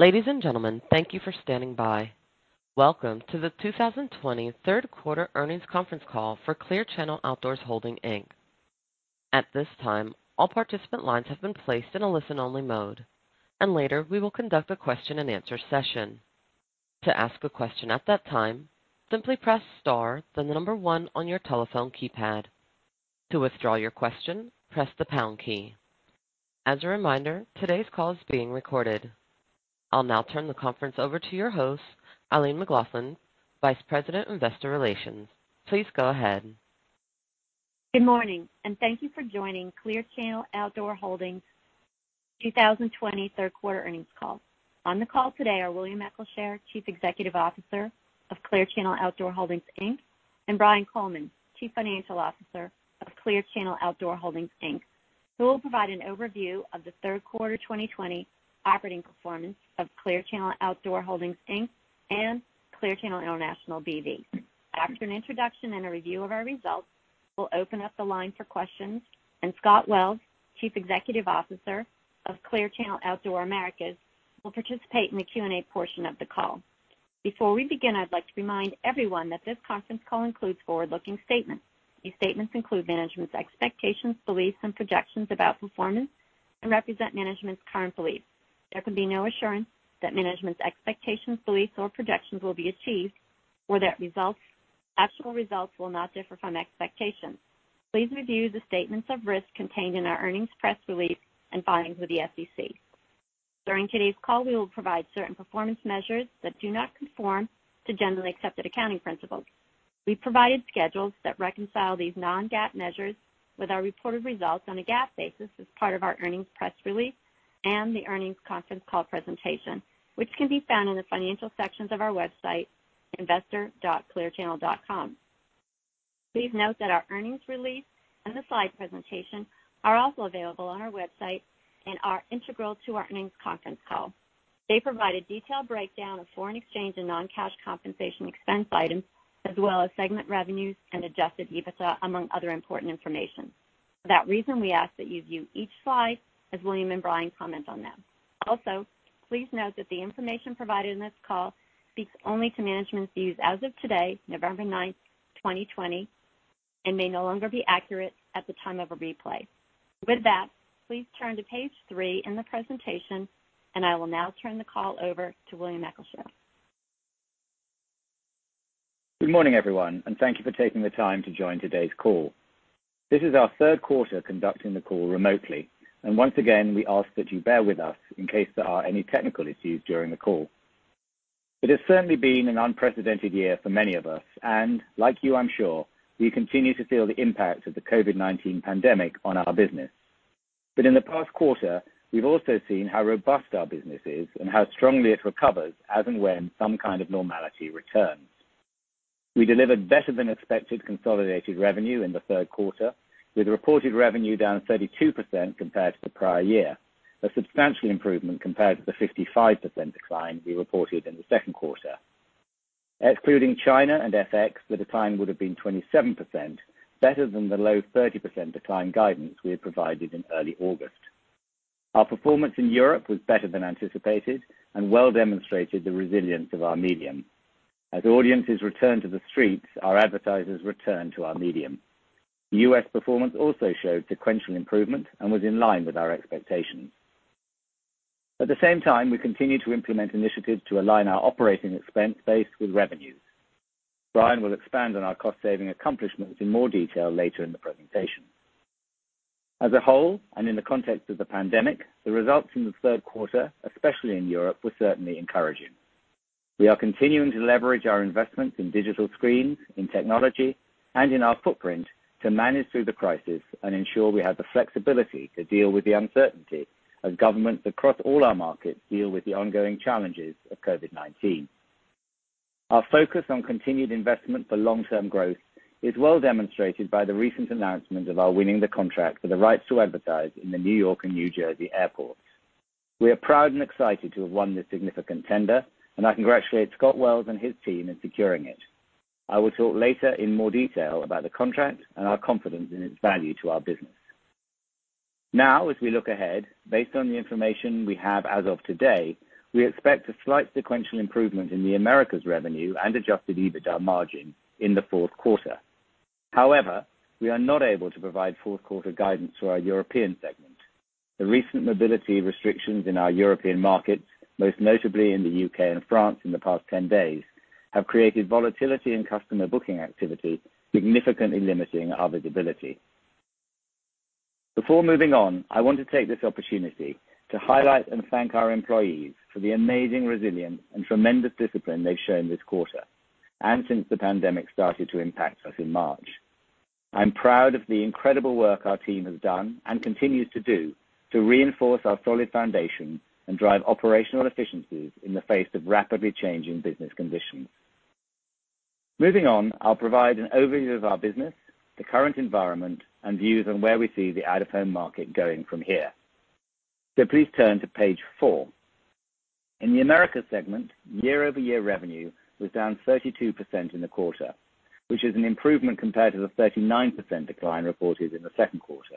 Ladies and gentlemen, thank you for standing by. Welcome to the 2020 third quarter earnings conference call for Clear Media Outdoor Holdings, Inc. At this time, all participant lines have been placed in a listen-only mode, and later we will conduct a question and answer session. To ask a question at that time, simply press star, then the number one on your telephone keypad. To withdraw your question, press the pound key. As a reminder, today's call is being recorded. I'll now turn the conference over to your host, Eileen McLaughlin, Vice President, Investor Relations. Please go ahead. Good morning, and thank you for joining Clear Media Outdoor Holdings 2020 third quarter earnings call. On the call today are William Eccleshare, Chief Executive Officer of Clear Media Outdoor Holdings, Inc., and Brian Coleman, Chief Financial Officer of Clear Media Outdoor Holdings, Inc., who will provide an overview of the third quarter 2020 operating performance of Clear Media Outdoor Holdings, Inc., and Clear Media International B.V. After an introduction and a review of our results, we'll open up the line for questions. Scott Wells, Chief Executive Officer of Clear Media Outdoor Americas, will participate in the Q&A portion of the call. Before we begin, I'd like to remind everyone that this conference call includes forward-looking statements. These statements include management's expectations, beliefs, and projections about performance and represent management's current beliefs. There can be no assurance that management's expectations, beliefs, or projections will be achieved or that actual results will not differ from expectations. Please review the statements of risk contained in our earnings press release and filings with the SEC. During today's call, we will provide certain performance measures that do not conform to generally accepted accounting principles. We've provided schedules that reconcile these non-GAAP measures with our reported results on a GAAP basis as part of our earnings press release and the earnings conference call presentation, which can be found in the financial sections of our website, investor.clearchannel.com. Please note that our earnings release and the slide presentation are also available on our website and are integral to our earnings conference call. They provide a detailed breakdown of foreign exchange and non-cash compensation expense items, as well as segment revenues and adjusted EBITDA, among other important information. For that reason, we ask that you view each slide as William and Brian comment on them. Please note that the information provided in this call speaks only to management views as of today, November ninth, 2020, and may no longer be accurate at the time of a replay. With that, please turn to page three in the presentation, and I will now turn the call over to William Eccleshare. Good morning, everyone, and thank you for taking the time to join today's call. This is our third quarter conducting the call remotely, and once again, we ask that you bear with us in case there are any technical issues during the call. It has certainly been an unprecedented year for many of us, and like you, I'm sure, we continue to feel the impact of the COVID-19 pandemic on our business. In the past quarter, we've also seen how robust our business is and how strongly it recovers as and when some kind of normality returns. We delivered better than expected consolidated revenue in the third quarter, with reported revenue down 32% compared to the prior year, a substantial improvement compared to the 55% decline we reported in the second quarter. Excluding China and FX, the decline would have been 27%, better than the low 30% decline guidance we had provided in early August. Our performance in Europe was better than anticipated and well demonstrated the resilience of our medium. As audiences return to the streets, our advertisers return to our medium. U.S. performance also showed sequential improvement and was in line with our expectations. At the same time, we continue to implement initiatives to align our operating expense base with revenues. Brian will expand on our cost-saving accomplishments in more detail later in the presentation. As a whole, and in the context of the pandemic, the results from the third quarter, especially in Europe, were certainly encouraging. We are continuing to leverage our investments in digital screens, in technology, and in our footprint to manage through the crisis and ensure we have the flexibility to deal with the uncertainty as governments across all our markets deal with the ongoing challenges of COVID-19. Our focus on continued investment for long-term growth is well demonstrated by the recent announcement of our winning the contract for the rights to advertise in the New York and New Jersey airports. We are proud and excited to have won this significant tender. I congratulate Scott Wells and his team in securing it. I will talk later in more detail about the contract and our confidence in its value to our business. As we look ahead, based on the information we have as of today, we expect a slight sequential improvement in the Americas revenue and adjusted EBITDA margin in the fourth quarter. We are not able to provide fourth quarter guidance for our European segment. The recent mobility restrictions in our European markets, most notably in the U.K. and France in the past 10 days, have created volatility in customer booking activity, significantly limiting our visibility. Before moving on, I want to take this opportunity to highlight and thank our employees for the amazing resilience and tremendous discipline they've shown this quarter and since the pandemic started to impact us in March. I'm proud of the incredible work our team has done and continues to do to reinforce our solid foundation and drive operational efficiencies in the face of rapidly changing business conditions. Moving on, I'll provide an overview of our business, the current environment, and views on where we see the out-of-home market going from here. Please turn to page four. In the Americas segment, year-over-year revenue was down 32% in the quarter, which is an improvement compared to the 39% decline reported in the second quarter.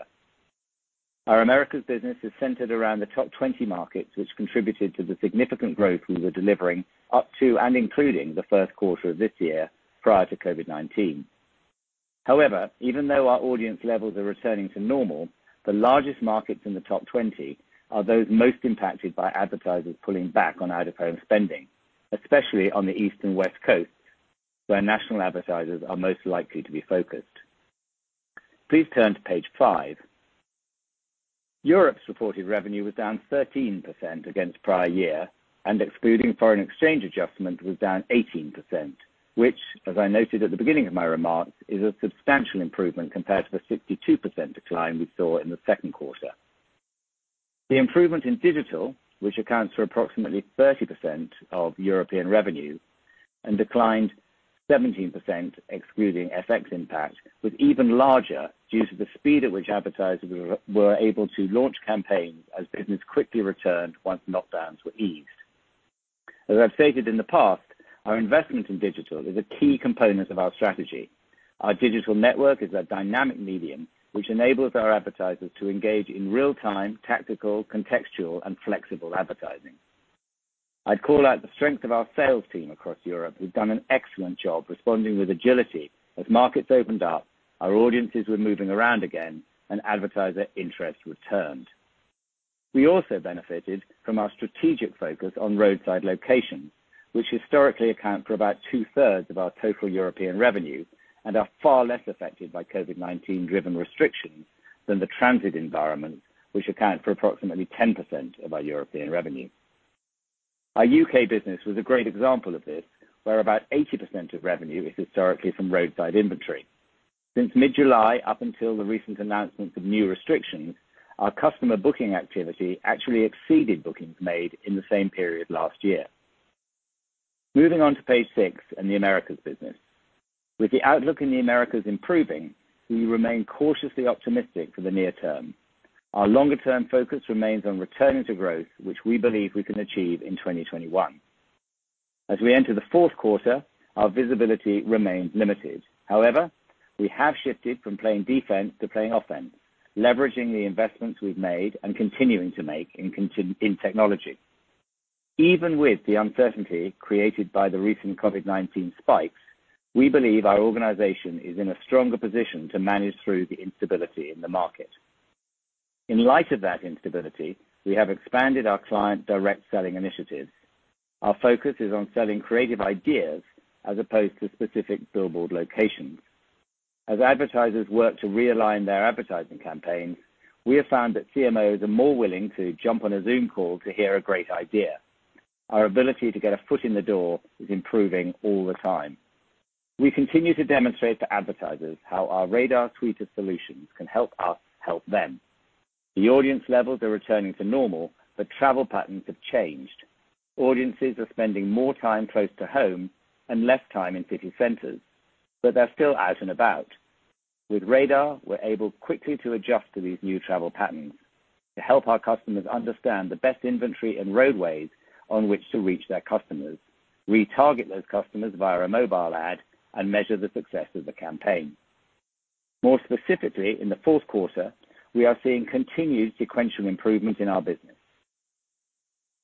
Our Americas business is centered around the top 20 markets, which contributed to the significant growth we were delivering up to and including the first quarter of this year, prior to COVID-19. However, even though our audience levels are returning to normal, the largest markets in the top 20 are those most impacted by advertisers pulling back on out-of-home spending, especially on the East and West Coast, where national advertisers are most likely to be focused. Please turn to page five. Europe's reported revenue was down 13% against prior year, excluding foreign exchange adjustment, was down 18%, which, as I noted at the beginning of my remarks, is a substantial improvement compared to the 62% decline we saw in the second quarter. The improvement in digital, which accounts for approximately 30% of European revenue and declined 17% excluding FX impact, was even larger due to the speed at which advertisers were able to launch campaigns as business quickly returned once lockdowns were eased. As I've stated in the past, our investment in digital is a key component of our strategy. Our digital network is a dynamic medium, which enables our advertisers to engage in real time, tactical, contextual, and flexible advertising. I'd call out the strength of our sales team across Europe, who've done an excellent job responding with agility. As markets opened up, our audiences were moving around again and advertiser interest returned. We also benefited from our strategic focus on roadside locations, which historically account for about two-thirds of our total European revenue and are far less affected by COVID-19 driven restrictions than the transit environment, which account for approximately 10% of our European revenue. Our U.K. business was a great example of this, where about 80% of revenue is historically from roadside inventory. Since mid-July, up until the recent announcement of new restrictions, our customer booking activity actually exceeded bookings made in the same period last year. Moving on to page six and the Americas business. With the outlook in the Americas improving, we remain cautiously optimistic for the near term. Our longer term focus remains on returning to growth, which we believe we can achieve in 2021. As we enter the fourth quarter, our visibility remains limited. However, we have shifted from playing defense to playing offense, leveraging the investments we've made and continuing to make in technology. Even with the uncertainty created by the recent COVID-19 spikes, we believe our organization is in a stronger position to manage through the instability in the market. In light of that instability, we have expanded our client direct selling initiatives. Our focus is on selling creative ideas as opposed to specific billboard locations. As advertisers work to realign their advertising campaigns, we have found that CMOs are more willing to jump on a Zoom call to hear a great idea. Our ability to get a foot in the door is improving all the time. We continue to demonstrate to advertisers how our RADAR suite of solutions can help us help them. The audience levels are returning to normal, but travel patterns have changed. Audiences are spending more time close to home and less time in city centers, but they're still out and about. With RADAR, we're able quickly to adjust to these new travel patterns to help our customers understand the best inventory and roadways on which to reach their customers, retarget those customers via a mobile ad, and measure the success of the campaign. More specifically, in the fourth quarter, we are seeing continued sequential improvement in our business.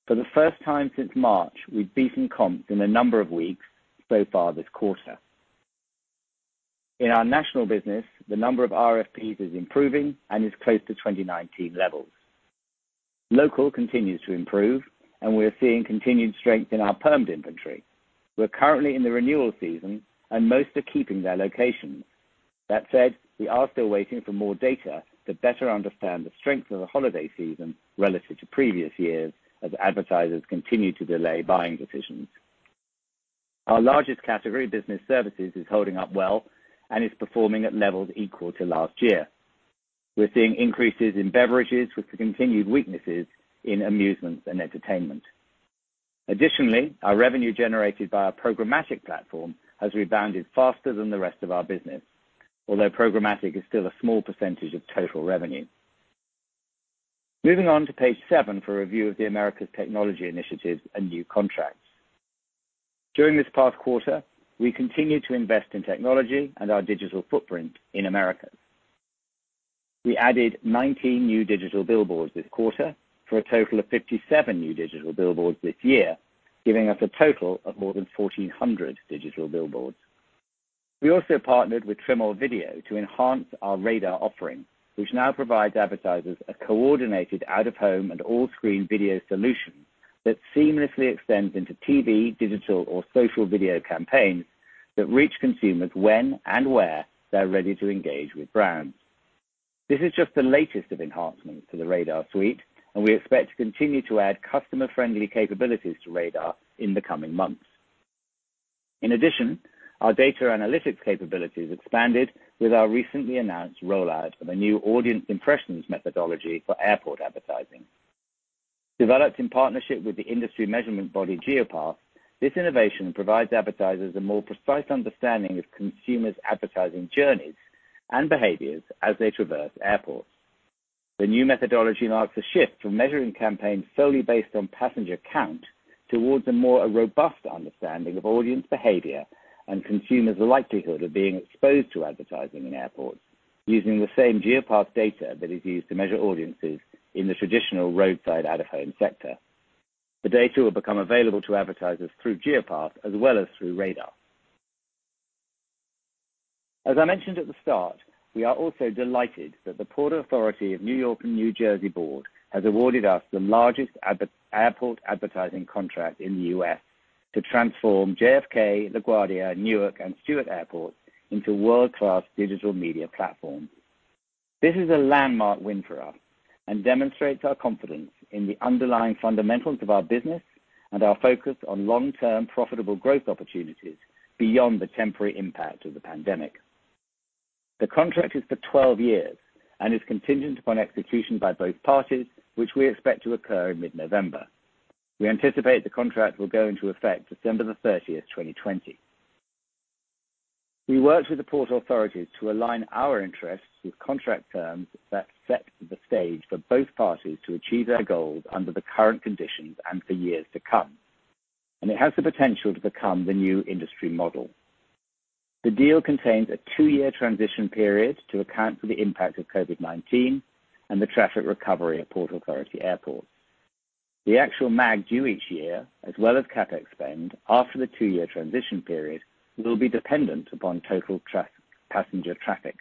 For the first time since March, we've beaten comps in a number of weeks so far this quarter. In our national business, the number of RFPs is improving and is close to 2019 levels. Local continues to improve, and we're seeing continued strength in our PERMs inventory. We're currently in the renewal season, and most are keeping their locations. That said, we are still waiting for more data to better understand the strength of the holiday season relative to previous years as advertisers continue to delay buying decisions. Our largest category business services is holding up well and is performing at levels equal to last year. We're seeing increases in beverages with the continued weaknesses in amusement and entertainment. Additionally, our revenue generated by our programmatic platform has rebounded faster than the rest of our business, although programmatic is still a small % of total revenue. Moving on to page seven for review of the Americas technology initiatives and new contracts. During this past quarter, we continued to invest in technology and our digital footprint in Americas. We added 19 new digital billboards this quarter for a total of 57 new digital billboards this year, giving us a total of more than 1,400 digital billboards. We also partnered with Tremor Video to enhance our RADAR offering, which now provides advertisers a coordinated out-of-home and all-screen video solution that seamlessly extends into TV, digital, or social video campaigns that reach consumers when and where they're ready to engage with brands. This is just the latest of enhancements to the RADAR suite. We expect to continue to add customer-friendly capabilities to RADAR in the coming months. In addition, our data analytics capabilities expanded with our recently announced rollout of a new audience impressions methodology for airport advertising. Developed in partnership with the industry measurement body Geopath, this innovation provides advertisers a more precise understanding of consumers' advertising journeys and behaviors as they traverse airports. The new methodology marks a shift from measuring campaigns solely based on passenger count towards a more robust understanding of audience behavior and consumers' likelihood of being exposed to advertising in airports using the same Geopath data that is used to measure audiences in the traditional roadside out of home sector. The data will become available to advertisers through Geopath as well as through RADAR. As I mentioned at the start, we are also delighted that the Port Authority of New York and New Jersey Board has awarded us the largest airport advertising contract in the U.S. to transform JFK, LaGuardia, Newark, and Stewart Airport into world-class digital media platforms. This is a landmark win for us and demonstrates our confidence in the underlying fundamentals of our business and our focus on long-term profitable growth opportunities beyond the temporary impact of the pandemic. The contract is for 12 years and is contingent upon execution by both parties, which we expect to occur in mid-November. We anticipate the contract will go into effect December the 30th, 2020. We worked with the Port Authorities to align our interests with contract terms that set the stage for both parties to achieve their goals under the current conditions and for years to come, and it has the potential to become the new industry model. The deal contains a two-year transition period to account for the impact of COVID-19 and the traffic recovery at Port Authority airports. The actual MAG due each year, as well as CapEx spend after the two-year transition period, will be dependent upon total passenger traffic.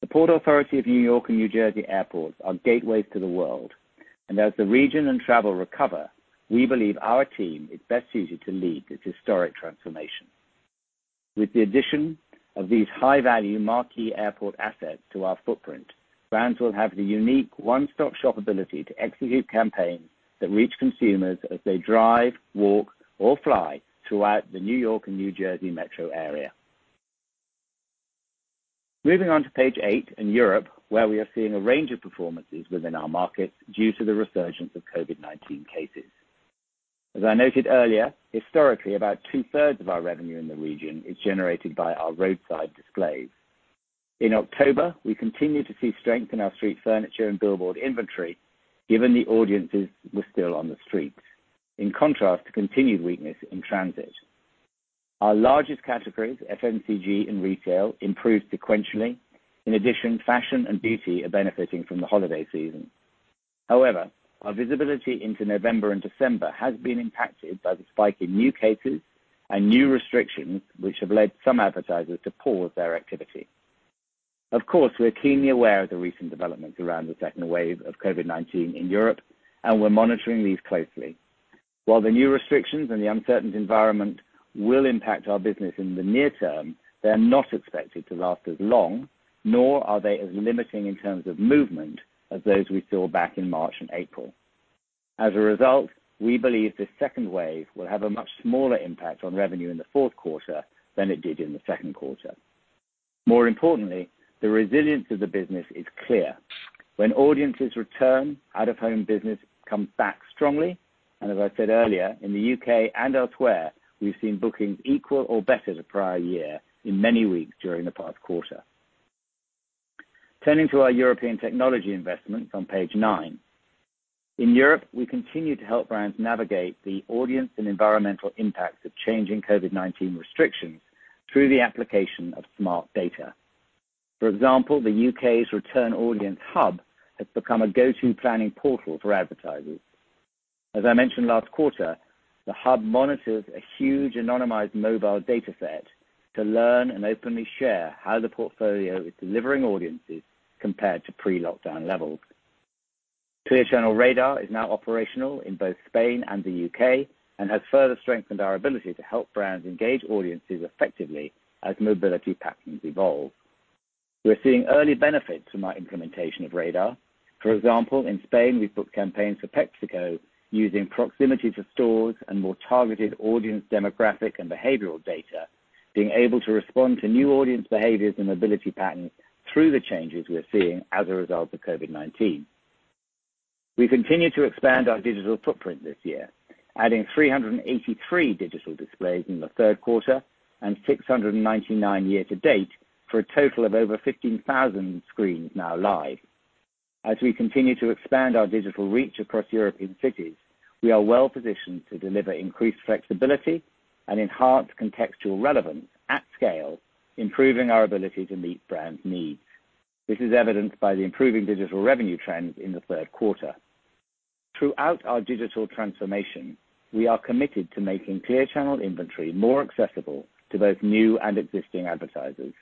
The Port Authority of New York and New Jersey airports are gateways to the world. As the region and travel recover, we believe our team is best suited to lead this historic transformation. With the addition of these high-value marquee airport assets to our footprint, brands will have the unique one-stop shop ability to execute campaigns that reach consumers as they drive, walk, or fly throughout the New York and New Jersey metro area. Moving on to page eight in Europe, where we are seeing a range of performances within our markets due to the resurgence of COVID-19 cases. As I noted earlier, historically, about two-thirds of our revenue in the region is generated by our roadside displays. In October, we continued to see strength in our street furniture and billboard inventory, given the audiences were still on the streets, in contrast to continued weakness in transit. Our largest categories, FMCG and retail, improved sequentially. Fashion and beauty are benefiting from the holiday season. Our visibility into November and December has been impacted by the spike in new cases and new restrictions, which have led some advertisers to pause their activity. Of course, we're keenly aware of the recent developments around the second wave of COVID-19 in Europe, we're monitoring these closely. The new restrictions and the uncertain environment will impact our business in the near term, they are not expected to last as long, nor are they as limiting in terms of movement as those we saw back in March and April. We believe this second wave will have a much smaller impact on revenue in the fourth quarter than it did in the second quarter. The resilience of the business is clear. When audiences return, out-of-home business comes back strongly. As I said earlier, in the U.K. and elsewhere, we've seen bookings equal or better to prior year in many weeks during the fourth quarter. Turning to our European technology investments on page nine. In Europe, we continue to help brands navigate the audience and environmental impacts of changing COVID-19 restrictions through the application of smart data. For example, the U.K.'s Return Audience Hub has become a go-to planning portal for advertisers. As I mentioned last quarter, the hub monitors a huge anonymized mobile data set to learn and openly share how the portfolio is delivering audiences compared to pre-lockdown levels. Clear Media RADAR is now operational in both Spain and the U.K. and has further strengthened our ability to help brands engage audiences effectively as mobility patterns evolve. We're seeing early benefits from our implementation of RADAR. For example, in Spain, we've booked campaigns for PepsiCo using proximity to stores and more targeted audience demographic and behavioral data, being able to respond to new audience behaviors and mobility patterns through the changes we're seeing as a result of COVID-19. We continue to expand our digital footprint this year, adding 383 digital displays in the third quarter and 699 year to date, for a total of over 15,000 screens now live. As we continue to expand our digital reach across European cities, we are well positioned to deliver increased flexibility and enhanced contextual relevance at scale, improving our ability to meet brands' needs. This is evidenced by the improving digital revenue trends in the third quarter. Throughout our digital transformation, we are committed to making Clear Media inventory more accessible to both new and existing advertisers.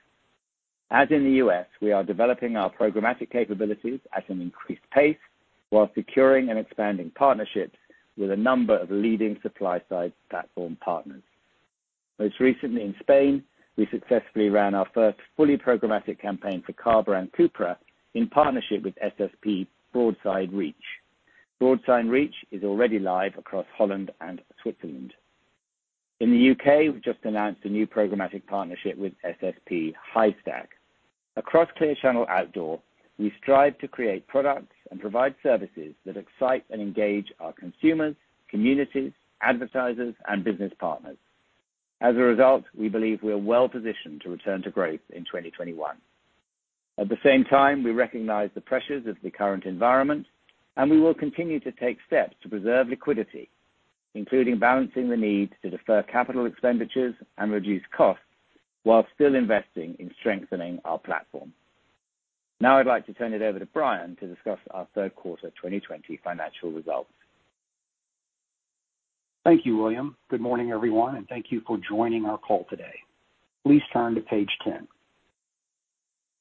As in the U.S., we are developing our programmatic capabilities at an increased pace while securing and expanding partnerships with a number of leading supply-side platform partners. Most recently in Spain, we successfully ran our first fully programmatic campaign for Carat and Cupra in partnership with SSP Broadsign Reach. Broadsign Reach is already live across Holland and Switzerland. In the U.K., we've just announced a new programmatic partnership with SSP Hivestack. Across Clear Media Outdoor, we strive to create products and provide services that excite and engage our consumers, communities, advertisers, and business partners. As a result, we believe we are well positioned to return to growth in 2021. At the same time, we recognize the pressures of the current environment, and we will continue to take steps to preserve liquidity, including balancing the need to defer capital expenditures and reduce costs while still investing in strengthening our platform. Now I'd like to turn it over to Brian to discuss our third quarter 2020 financial results. Thank you, William. Good morning, everyone, and thank you for joining our call today. Please turn to page 10.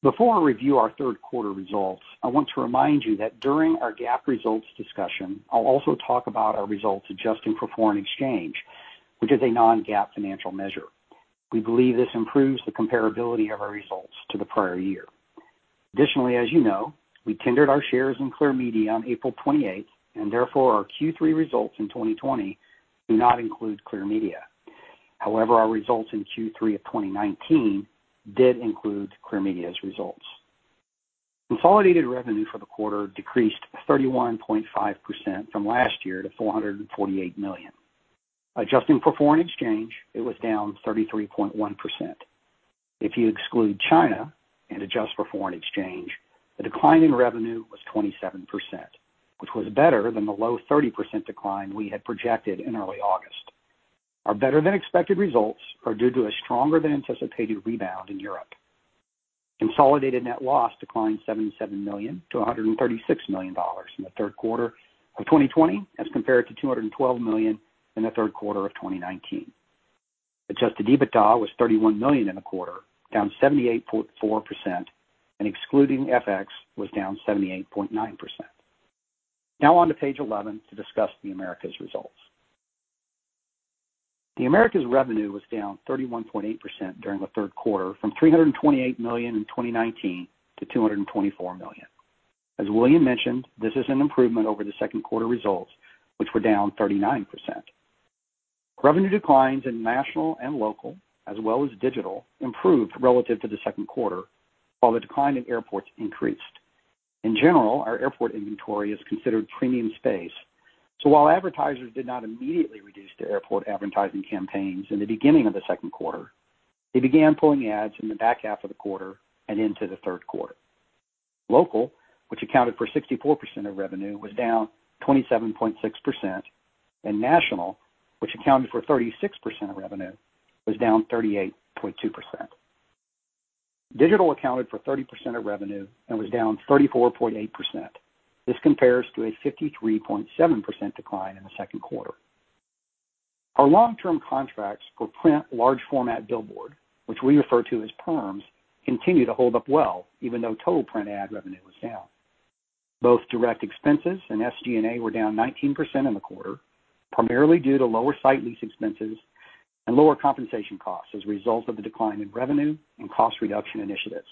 Before I review our third quarter results, I want to remind you that during our GAAP results discussion, I'll also talk about our results adjusting for foreign exchange, which is a non-GAAP financial measure. We believe this improves the comparability of our results to the prior year. Additionally, as you know, we tendered our shares in Clear Media on April 28th, and therefore our Q3 results in 2020 do not include Clear Media. However, our results in Q3 of 2019 did include Clear Media's results. Consolidated revenue for the quarter decreased 31.5% from last year to $448 million. Adjusting for foreign exchange, it was down 33.1%. If you exclude China and adjust for foreign exchange, the decline in revenue was 27%, which was better than the low 30% decline we had projected in early August. Our better than expected results are due to a stronger than anticipated rebound in Europe. Consolidated net loss declined $77 million to $136 million in the third quarter of 2020 as compared to $212 million in the third quarter of 2019. Adjusted EBITDA was $31 million in the quarter, down 78.4%, and excluding FX, was down 78.9%. Now on to page 11 to discuss the Americas results. The Americas revenue was down 31.8% during the third quarter, from $328 million in 2019 to $224 million. As William mentioned, this is an improvement over the second quarter results, which were down 39%. Revenue declines in national and local, as well as digital, improved relative to the second quarter, while the decline in airports increased. In general, our airport inventory is considered premium space, so while advertisers did not immediately reduce their airport advertising campaigns in the beginning of the second quarter, they began pulling ads in the back half of the quarter and into the third quarter. Local, which accounted for 64% of revenue, was down 27.6%, and national, which accounted for 36% of revenue, was down 38.2%. Digital accounted for 30% of revenue and was down 34.8%. This compares to a 53.7% decline in the second quarter. Our long-term contracts for print large format billboard, which we refer to as PERMs, continue to hold up well even though total print ad revenue was down. Both direct expenses and SG&A were down 19% in the quarter, primarily due to lower site lease expenses and lower compensation costs as a result of the decline in revenue and cost reduction initiatives.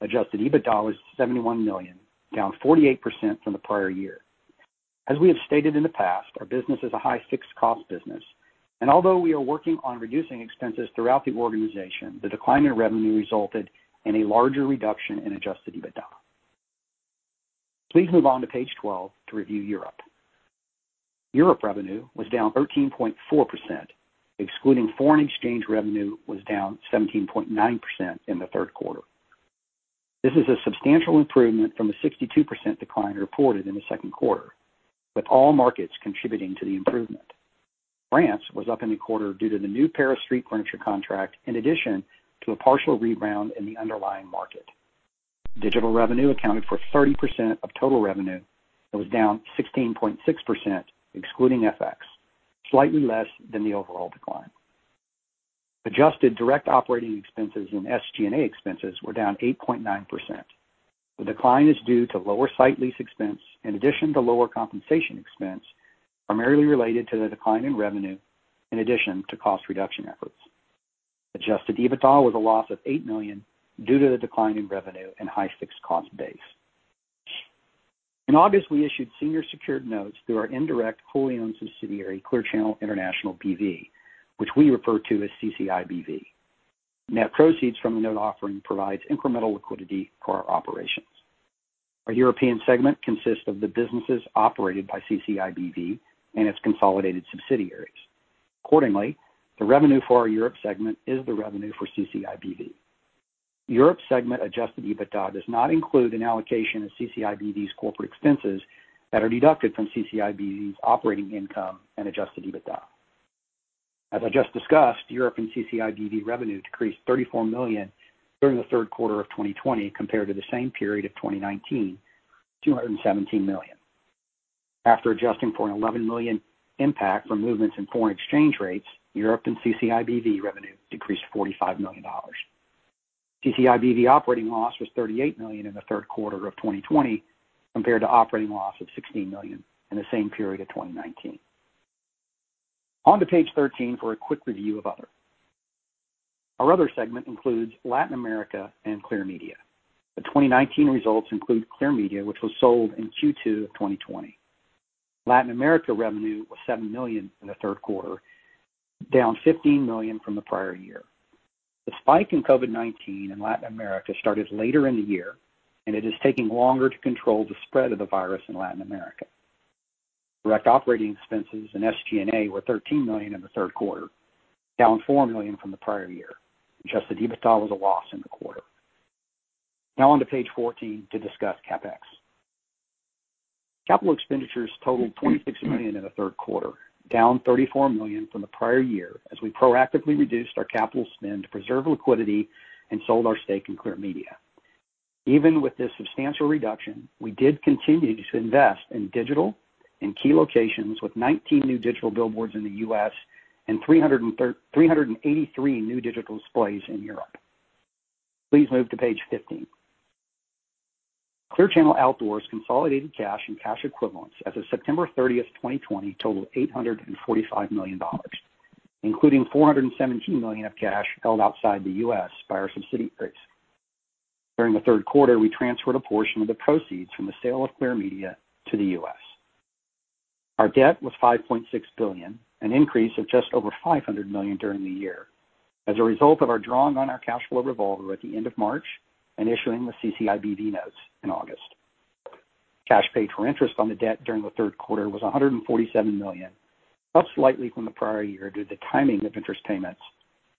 Adjusted EBITDA was $71 million, down 48% from the prior year. As we have stated in the past, our business is a high fixed cost business, and although we are working on reducing expenses throughout the organization, the decline in revenue resulted in a larger reduction in adjusted EBITDA. Please move on to page 12 to review Europe. Europe revenue was down 13.4%. Excluding foreign exchange revenue, was down 17.9% in the third quarter. This is a substantial improvement from the 62% decline reported in the second quarter, with all markets contributing to the improvement. France was up in the quarter due to the new Paris street furniture contract in addition to a partial rebound in the underlying market. Digital revenue accounted for 30% of total revenue and was down 16.6% excluding FX, slightly less than the overall decline. Adjusted direct operating expenses and SG&A expenses were down 8.9%. The decline is due to lower site lease expense in addition to lower compensation expense, primarily related to the decline in revenue in addition to cost reduction efforts. Adjusted EBITDA was a loss of $8 million due to the decline in revenue and high fixed cost base. In August, we issued senior secured notes through our indirect fully owned subsidiary, Clear Media International B.V., which we refer to as CCIBV. Net proceeds from the note offering provides incremental liquidity for our operations. Our European segment consists of the businesses operated by CCIBV and its consolidated subsidiaries. Accordingly, the revenue for our Europe segment is the revenue for CCIBV. Europe segment adjusted EBITDA does not include an allocation of CCIBV's corporate expenses that are deducted from CCIBV's operating income and adjusted EBITDA. As I just discussed, Europe and CCIBV revenue decreased $34 million during the third quarter of 2020 compared to the same period of 2019, $217 million. After adjusting for an $11 million impact from movements in foreign exchange rates, Europe and CCIBV revenue decreased $45 million. CCIBV operating loss was $38 million in the third quarter of 2020 compared to operating loss of $16 million in the same period of 2019. On to page 13 for a quick review of Other. Our Other segment includes Latin America and Clear Media. The 2019 results include Clear Media, which was sold in Q2 of 2020. Latin America revenue was $7 million in the third quarter, down $15 million from the prior year. The spike in COVID-19 in Latin America started later in the year, and it is taking longer to control the spread of the virus in Latin America. Direct operating expenses and SG&A were $13 million in the third quarter, down $4 million from the prior year. Adjusted EBITDA was a loss in the quarter. On to page 14 to discuss CapEx. Capital expenditures totaled $26 million in the third quarter, down $34 million from the prior year, as we proactively reduced our capital spend to preserve liquidity and sold our stake in Clear Media. Even with this substantial reduction, we did continue to invest in digital in key locations with 19 new digital billboards in the U.S. and 383 new digital displays in Europe. Please move to page 15. Clear Media Outdoor's consolidated cash and cash equivalents as of September 30th, 2020, totaled $845 million, including $417 million of cash held outside the U.S. by our subsidiaries. During the third quarter, we transferred a portion of the proceeds from the sale of Clear Media to the U.S. Our debt was $5.6 billion, an increase of just over $500 million during the year, as a result of our drawing on our cash flow revolver at the end of March and issuing the CCIBV notes in August. Cash paid for interest on the debt during the third quarter was $147 million, up slightly from the prior year due to the timing of interest payments,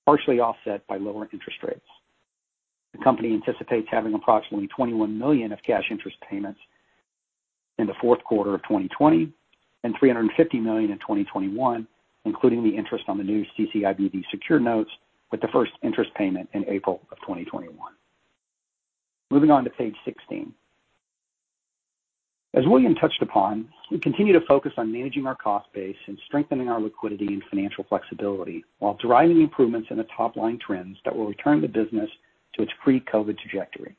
partially offset by lower interest rates. The company anticipates having approximately $21 million of cash interest payments in the fourth quarter of 2020 and $350 million in 2021, including the interest on the new CCIBV secured notes with the first interest payment in April of 2021. Moving on to page 16. As William touched upon, we continue to focus on managing our cost base and strengthening our liquidity and financial flexibility while driving improvements in the top-line trends that will return the business to its pre-COVID-19 trajectory.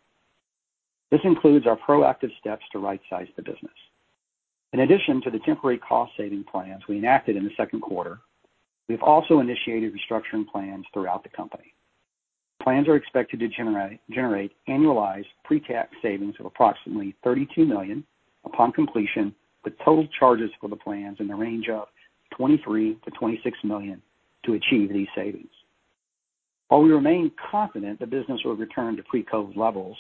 This includes our proactive steps to right-size the business. In addition to the temporary cost-saving plans we enacted in the second quarter, we've also initiated restructuring plans throughout the company. Plans are expected to generate annualized pre-tax savings of approximately $32 million upon completion, with total charges for the plans in the range of $23 million to $26 million to achieve these savings. While we remain confident the business will return to pre-COVID levels,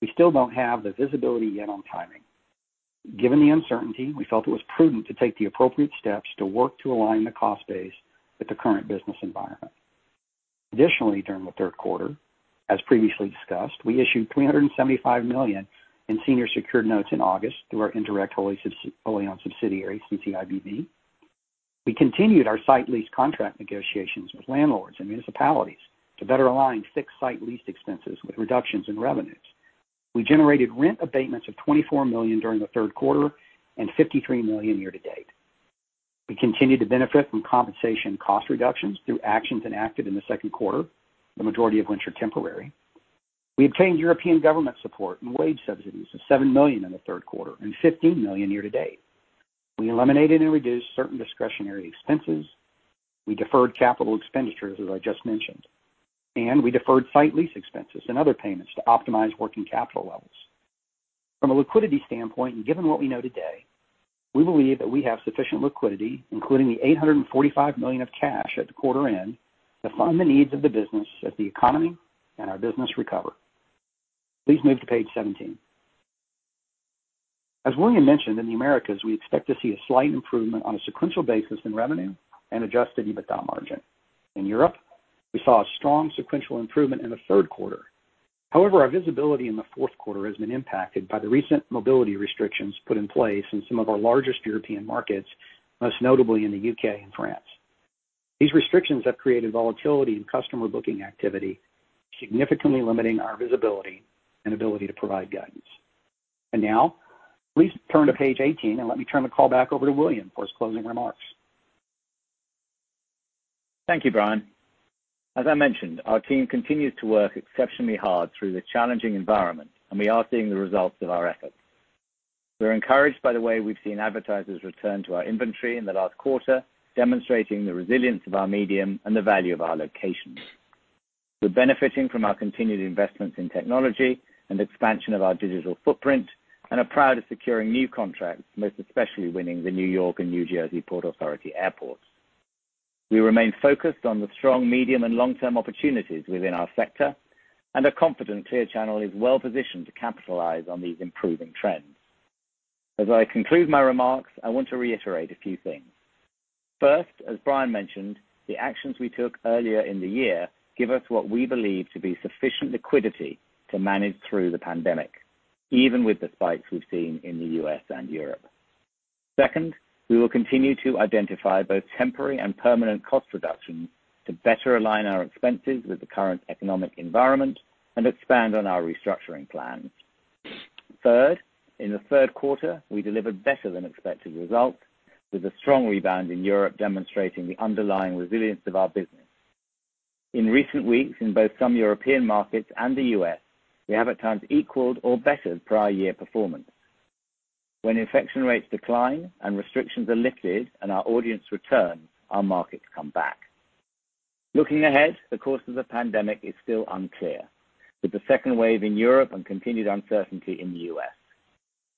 we still don't have the visibility yet on timing. Given the uncertainty, we felt it was prudent to take the appropriate steps to work to align the cost base with the current business environment. Additionally, during the third quarter, as previously discussed, we issued $375 million in senior secured notes in August through our indirect wholly-owned subsidiary, CCIBV. We continued our site lease contract negotiations with landlords and municipalities to better align fixed site lease expenses with reductions in revenues. We generated rent abatements of $24 million during the third quarter and $53 million year to date. We continued to benefit from compensation cost reductions through actions enacted in the second quarter, the majority of which are temporary. We obtained European government support and wage subsidies of $7 million in the third quarter and $15 million year to date. We eliminated and reduced certain discretionary expenses. We deferred capital expenditures, as I just mentioned, and we deferred site lease expenses and other payments to optimize working capital levels. Given what we know today, we believe that we have sufficient liquidity, including the $845 million of cash at the quarter end, to fund the needs of the business as the economy and our business recover. Please move to page 17. As William mentioned, in the Americas, we expect to see a slight improvement on a sequential basis in revenue and adjusted EBITDA margin. In Europe, we saw a strong sequential improvement in the third quarter. Our visibility in the fourth quarter has been impacted by the recent mobility restrictions put in place in some of our largest European markets, most notably in the U.K. and France. These restrictions have created volatility in customer booking activity, significantly limiting our visibility and ability to provide guidance. Now, please turn to page 18, and let me turn the call back over to William for his closing remarks. Thank you, Brian. As I mentioned, our team continues to work exceptionally hard through the challenging environment, and we are seeing the results of our efforts. We're encouraged by the way we've seen advertisers return to our inventory in the last quarter, demonstrating the resilience of our medium and the value of our locations. We're benefiting from our continued investments in technology and expansion of our digital footprint and are proud of securing new contracts, most especially winning the New York and New Jersey Port Authority airports. We remain focused on the strong, medium, and long-term opportunities within our sector and are confident Clear Media Outdoor is well-positioned to capitalize on these improving trends. As I conclude my remarks, I want to reiterate a few things. First, as Brian mentioned, the actions we took earlier in the year give us what we believe to be sufficient liquidity to manage through the pandemic, even with the spikes we've seen in the U.S. and Europe. Second, we will continue to identify both temporary and permanent cost reductions to better align our expenses with the current economic environment and expand on our restructuring plans. Third, in the third quarter, we delivered better than expected results with a strong rebound in Europe demonstrating the underlying resilience of our business. In recent weeks, in both some European markets and the U.S., we have at times equaled or bettered prior year performance. When infection rates decline and restrictions are lifted and our audience returns, our markets come back. Looking ahead, the course of the pandemic is still unclear, with the second wave in Europe and continued uncertainty in the U.S.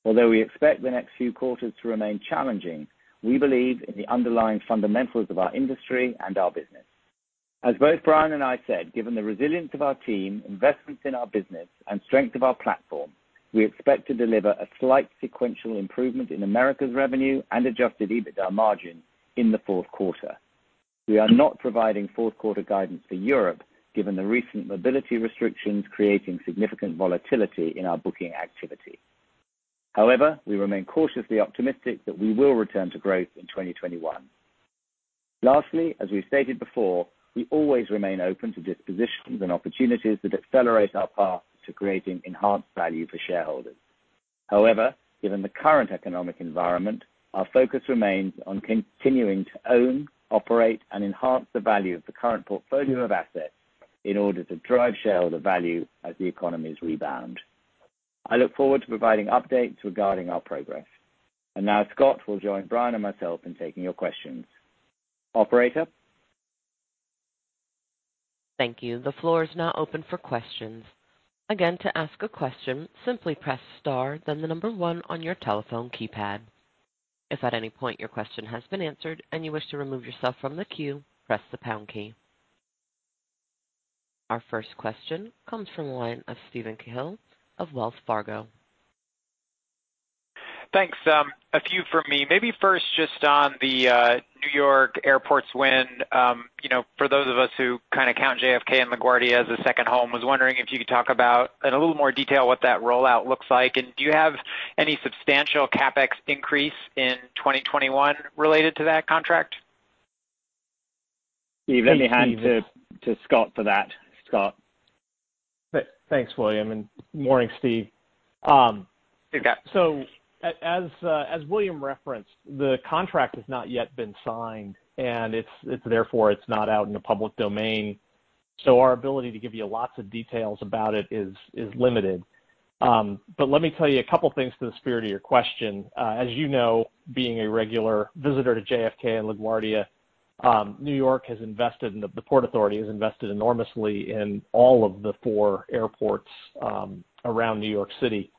Although we expect the next few quarters to remain challenging, we believe in the underlying fundamentals of our industry and our business. As both Brian and I said, given the resilience of our team, investments in our business and strength of our platform, we expect to deliver a slight sequential improvement in Americas' revenue and adjusted EBITDA margin in the fourth quarter. We are not providing fourth-quarter guidance for Europe, given the recent mobility restrictions creating significant volatility in our booking activity. However, we remain cautiously optimistic that we will return to growth in 2021. Lastly, as we've stated before, we always remain open to dispositions and opportunities that accelerate our path to creating enhanced value for shareholders. However, given the current economic environment, our focus remains on continuing to own, operate, and enhance the value of the current portfolio of assets in order to drive shareholder value as the economies rebound. I look forward to providing updates regarding our progress. Now Scott will join Brian and myself in taking your questions. Operator? Thank you. The floor is now open for questions. Again, to ask a question, simply press star then the number one on your telephone keypad. If at any point your question has been answered and you wish to remove yourself from the queue, press the pound key. Our first question comes from the line of Steven Cahall of Wells Fargo. Thanks. A few from me. First, just on the New York airports win. For those of us who count JFK and LaGuardia as a second home, I was wondering if you could talk about, in a little more detail, what that rollout looks like. Do you have any substantial CapEx increase in 2021 related to that contract? Steven, let me hand to Scott for that. Scott? Thanks, William, and morning, Steven. You bet. As William referenced, the contract has not yet been signed, and therefore it's not out in the public domain. Our ability to give you lots of details about it is limited. Let me tell you a couple things to the spirit of your question. As you know, being a regular visitor to JFK and LaGuardia, the Port Authority has invested enormously in all of the four airports around New York City.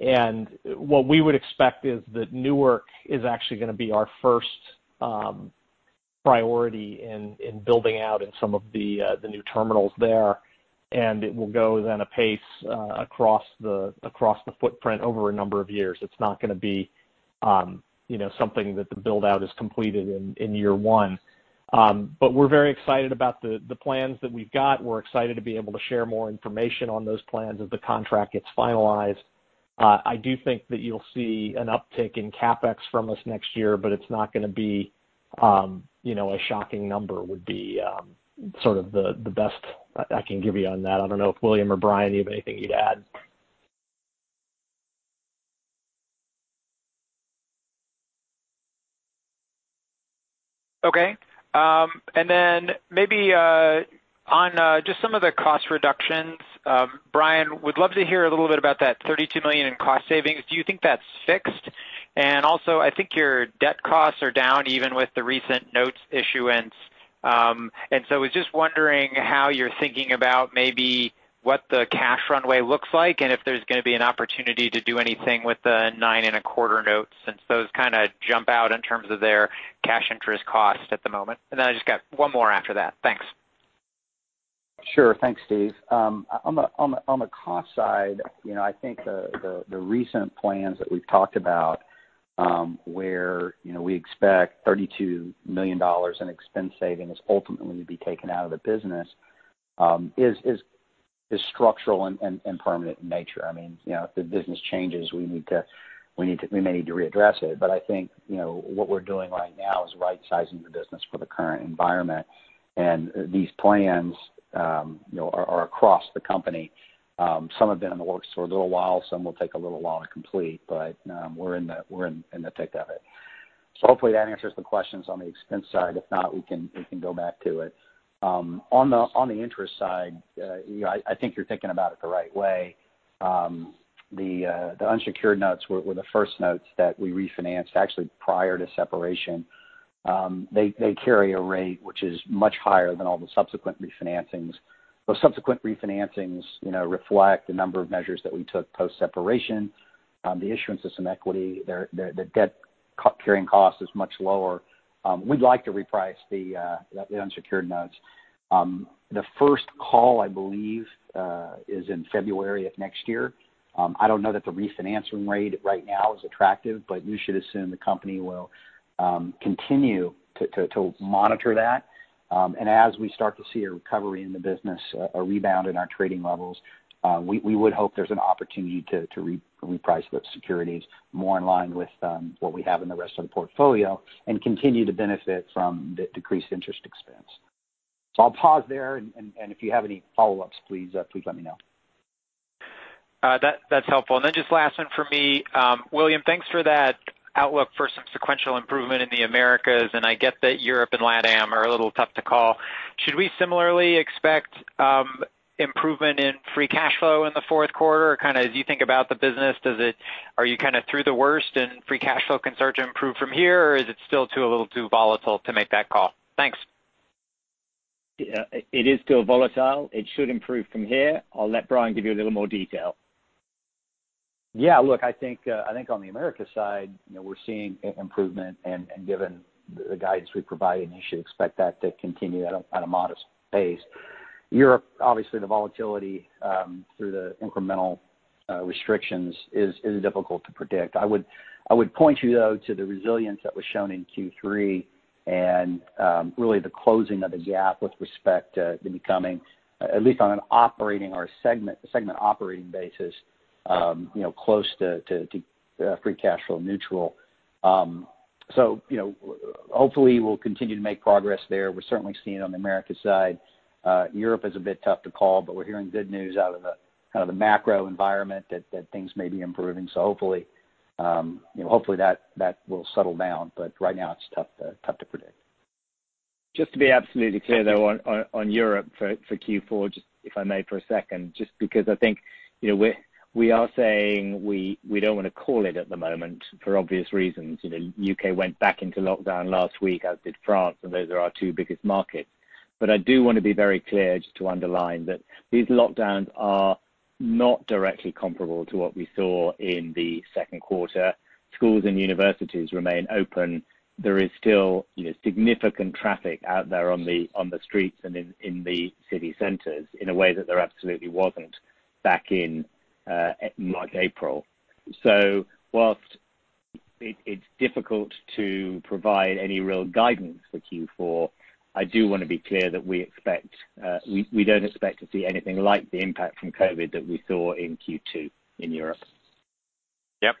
What we would expect is that Newark is actually going to be our first priority in building out in some of the new terminals there, and it will go then a pace across the footprint over a number of years. It's not going to be something that the build-out is completed in year one. We're very excited about the plans that we've got. We're excited to be able to share more information on those plans as the contract gets finalized. I do think that you'll see an uptick in CapEx from us next year, but it's not going to be a shocking number, would be sort of the best I can give you on that. I don't know if William or Brian, you have anything you'd add. Okay. Maybe on just some of the cost reductions. Brian, would love to hear a little bit about that $32 million in cost savings. Do you think that's fixed? Also, I think your debt costs are down even with the recent notes issuance. I was just wondering how you're thinking about maybe what the cash runway looks like, and if there's going to be an opportunity to do anything with the nine-and-a-quarter notes, since those kind of jump out in terms of their cash interest cost at the moment. I just got one more after that. Thanks. Sure. Thanks, Steven. On the cost side, I think the recent plans that we've talked about, where we expect $32 million in expense savings ultimately to be taken out of the business, is structural and permanent in nature. If the business changes, we may need to readdress it. I think what we're doing right now is rightsizing the business for the current environment. These plans are across the company. Some have been in the works for a little while, some will take a little while to complete, but we're in the thick of it. Hopefully that answers the questions on the expense side. If not, we can go back to it. On the interest side, I think you're thinking about it the right way. The unsecured notes were the first notes that we refinanced, actually prior to separation. They carry a rate which is much higher than all the subsequent refinancings. Those subsequent refinancings reflect the number of measures that we took post-separation. The issuance of some equity. The debt carrying cost is much lower. We'd like to reprice the unsecured notes. The first call, I believe, is in February of next year. I don't know that the refinancing rate right now is attractive, but you should assume the company will continue to monitor that. As we start to see a recovery in the business, a rebound in our trading levels, we would hope there's an opportunity to reprice those securities more in line with what we have in the rest of the portfolio and continue to benefit from the decreased interest expense. I'll pause there, and if you have any follow-ups, please let me know. That's helpful. Just last one from me. William, thanks for that outlook for some sequential improvement in the Americas, and I get that Europe and LATAM are a little tough to call. Should we similarly expect improvement in free cash flow in the fourth quarter? As you think about the business, are you kind of through the worst and free cash flow can start to improve from here, or is it still a little too volatile to make that call? Thanks. It is still volatile. It should improve from here. I'll let Brian give you a little more detail. Look, I think on the Americas side, we're seeing improvement, and given the guidance we've provided, you should expect that to continue at a modest pace. Europe, obviously, the volatility through the incremental restrictions is difficult to predict. I would point you, though, to the resilience that was shown in Q3 and really the closing of the gap with respect to becoming, at least on an operating or a segment operating basis, close to free cash flow neutral. Hopefully we'll continue to make progress there. We're certainly seeing it on the Americas side. Europe is a bit tough to call, but we're hearing good news out of the macro environment that things may be improving. Hopefully that will settle down. Right now it's tough to predict. Just to be absolutely clear, though, on Europe for Q4, just if I may for a second. Just because I think we are saying we don't want to call it at the moment for obvious reasons. U.K. went back into lockdown last week, as did France, and those are our two biggest markets. I do want to be very clear, just to underline, that these lockdowns are not directly comparable to what we saw in the second quarter. Schools and universities remain open. There is still significant traffic out there on the streets and in the city centers in a way that there absolutely wasn't back in March, April. Whilst it's difficult to provide any real guidance for Q4, I do want to be clear that we don't expect to see anything like the impact from COVID that we saw in Q2 in Europe. Yep.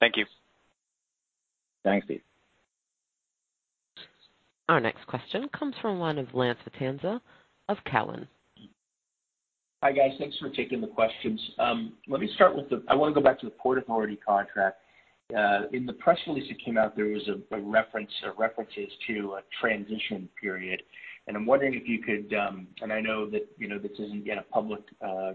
Thank you. Thanks, Steven. Our next question comes from the line of Lance Vitanza of Cowen. Hi, guys. Thanks for taking the questions. I want to go back to the Port Authority contract. In the press release that came out, there was references to a transition period, and I'm wondering if you could, and I know that this isn't yet a public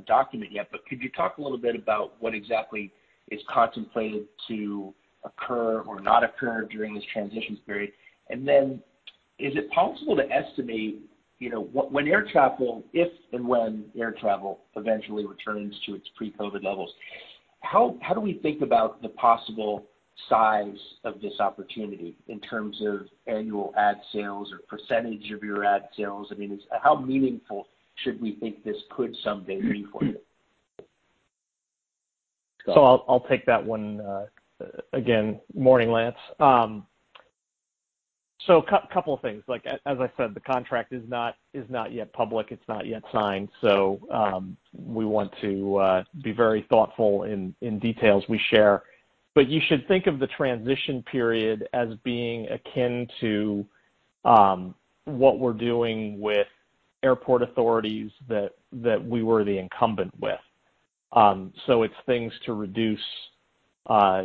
document yet, but could you talk a little bit about what exactly is contemplated to occur or not occur during this transition period? Then is it possible to estimate, if and when air travel eventually returns to its pre-COVID levels, how do we think about the possible size of this opportunity in terms of annual ad sales or percentage of your ad sales? I mean, how meaningful should we think this could someday be for you? I'll take that one. Again, morning, Lance. A couple of things. As I said, the contract is not yet public. It's not yet signed. We want to be very thoughtful in details we share. You should think of the transition period as being akin to what we're doing with airport authorities that we were the incumbent with. It's things to reduce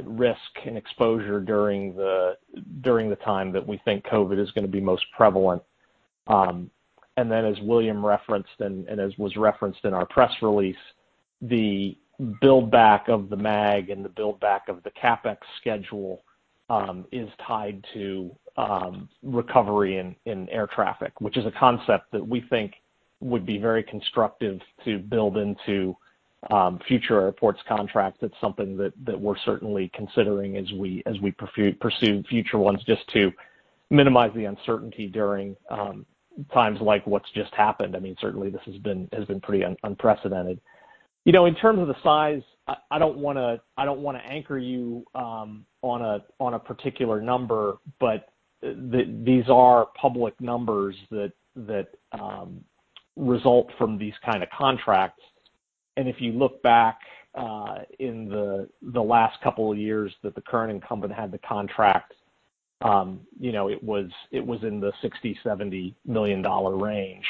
risk and exposure during the time that we think COVID is going to be most prevalent. As William referenced, and as was referenced in our press release, the build-back of the MAG and the build-back of the CapEx schedule is tied to recovery in air traffic, which is a concept that we think would be very constructive to build into future airports contracts. That's something that we're certainly considering as we pursue future ones, just to minimize the uncertainty during times like what's just happened. I mean, certainly this has been pretty unprecedented. In terms of the size, I don't want to anchor you on a particular number, but these are public numbers that result from these kind of contracts. If you look back in the last couple of years that the current incumbent had the contract, it was in the $60 million-$70 million range.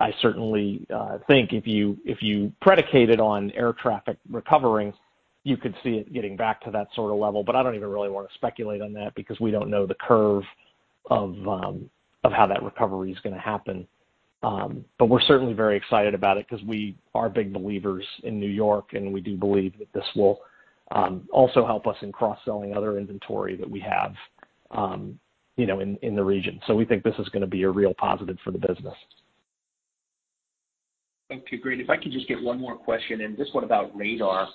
I certainly think if you predicated on air traffic recovering, you could see it getting back to that sort of level. I don't even really want to speculate on that because we don't know the curve of how that recovery is going to happen. We're certainly very excited about it because we are big believers in New York, and we do believe that this will also help us in cross-selling other inventory that we have in the region. We think this is going to be a real positive for the business. Okay, great. If I could just get one more question, and this one about RADAR.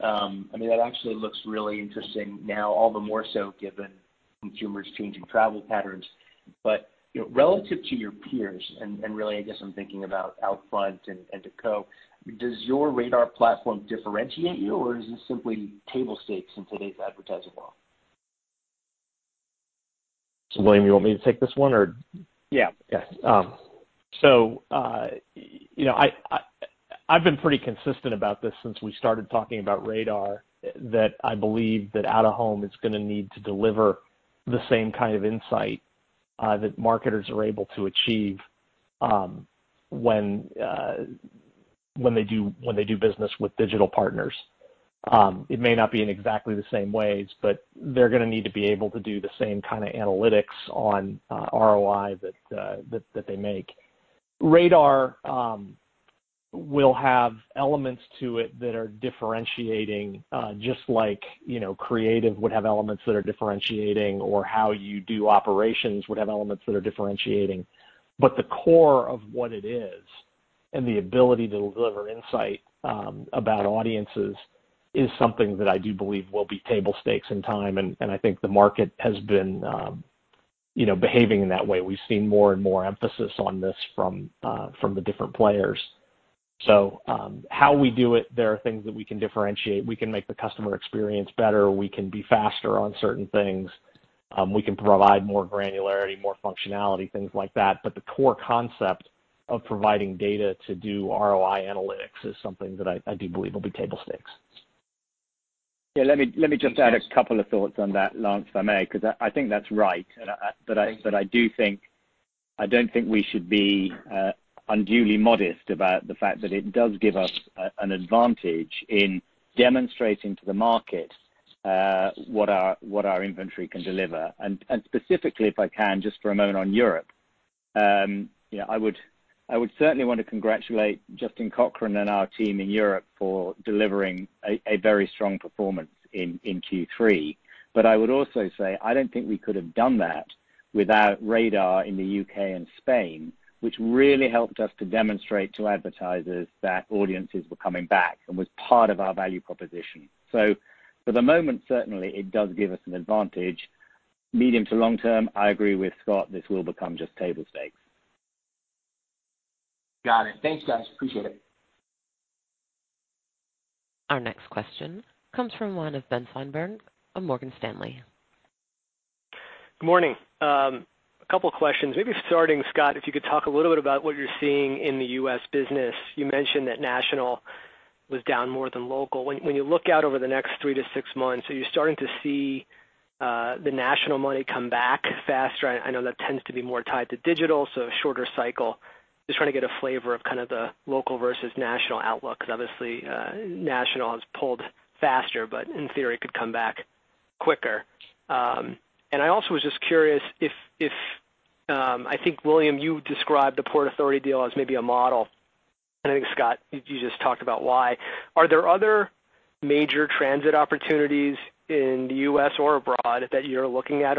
That actually looks really interesting now, all the more so given consumers changing travel patterns. Relative to your peers, and really, I guess I'm thinking about Outfront and Decaux, does your RADAR platform differentiate you, or is it simply table stakes in today's advertising world? William, you want me to take this one? Yeah. I've been pretty consistent about this since we started talking about RADAR, that I believe that out-of-home is going to need to deliver the same kind of insight that marketers are able to achieve when they do business with digital partners. It may not be in exactly the same ways, but they're going to need to be able to do the same kind of analytics on ROI that they make. RADAR will have elements to it that are differentiating, just like creative would have elements that are differentiating, or how you do operations would have elements that are differentiating. The core of what it is The ability to deliver insight about audiences is something that I do believe will be table stakes in time, and I think the market has been behaving in that way. We've seen more and more emphasis on this from the different players. How we do it, there are things that we can differentiate. We can make the customer experience better. We can be faster on certain things. We can provide more granularity, more functionality, things like that. The core concept of providing data to do ROI analytics is something that I do believe will be table stakes. Let me just add a couple of thoughts on that, Lance, if I may. I think that's right. I don't think we should be unduly modest about the fact that it does give us an advantage in demonstrating to the market what our inventory can deliver. Specifically, if I can, just for a moment on Europe. I would certainly want to congratulate Justin Cochrane and our team in Europe for delivering a very strong performance in Q3. I would also say, I don't think we could have done that without RADAR in the U.K. and Spain, which really helped us to demonstrate to advertisers that audiences were coming back and was part of our value proposition. For the moment, certainly, it does give us an advantage. Medium to long term, I agree with Scott Wells, this will become just table stakes. Got it. Thanks, guys. Appreciate it. Our next question comes from the line of Ben Swinburne of Morgan Stanley. Good morning. A couple questions. Maybe starting, Scott, if you could talk a little bit about what you're seeing in the U.S. business. You mentioned that national was down more than local. When you look out over the next three to six months, are you starting to see the national money come back faster? I know that tends to be more tied to digital, so a shorter cycle. Just trying to get a flavor of kind of the local versus national outlook, because obviously, national has pulled faster, but in theory, could come back quicker. I also was just curious if I think, William, you described the Port Authority deal as maybe a model, and I think, Scott, you just talked about why. Are there other major transit opportunities in the U.S. or abroad that you're looking at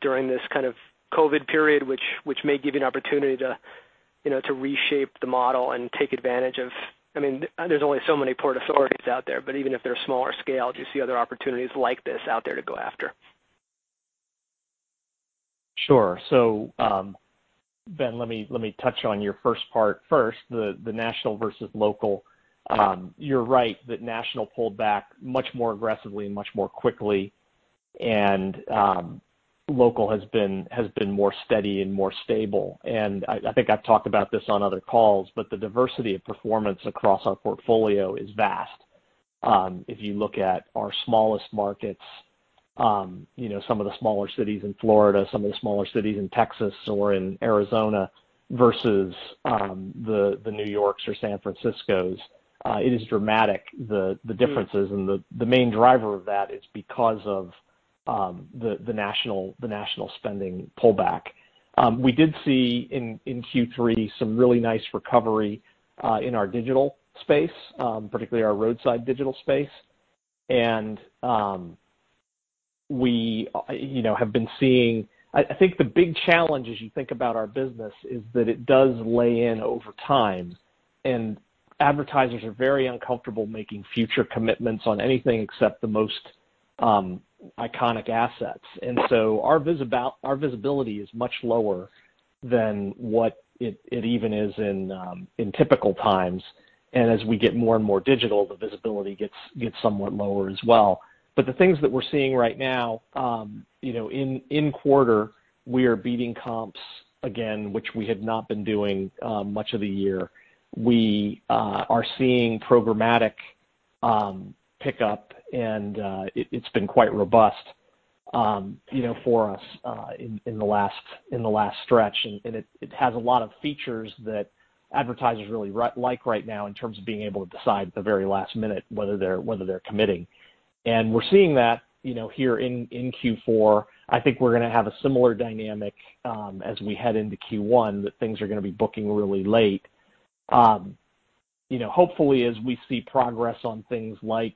during this kind of COVID period, which may give you an opportunity to reshape the model and take advantage of, there's only so many Port Authorities out there, but even if they're smaller scale, do you see other opportunities like this out there to go after? Sure. Ben, let me touch on your first part first, the national versus local. You're right that national pulled back much more aggressively and much more quickly, and local has been more steady and more stable. I think I've talked about this on other calls, but the diversity of performance across our portfolio is vast. If you look at our smallest markets, some of the smaller cities in Florida, some of the smaller cities in Texas or in Arizona versus the New Yorks or San Franciscos, it is dramatic, the differences. The main driver of that is because of the national spending pullback. We did see in Q3 some really nice recovery in our digital space, particularly our roadside digital space. I think the big challenge as you think about our business is that it does lay in over time, and advertisers are very uncomfortable making future commitments on anything except the most iconic assets. Our visibility is much lower than what it even is in typical times. As we get more and more digital, the visibility gets somewhat lower as well. The things that we're seeing right now, in quarter, we are beating comps again, which we have not been doing much of the year. We are seeing programmatic pickup, and it's been quite robust for us in the last stretch. It has a lot of features that advertisers really like right now in terms of being able to decide at the very last minute whether they're committing. We're seeing that here in Q4. I think we're going to have a similar dynamic as we head into Q1, that things are going to be booking really late. Hopefully, as we see progress on things like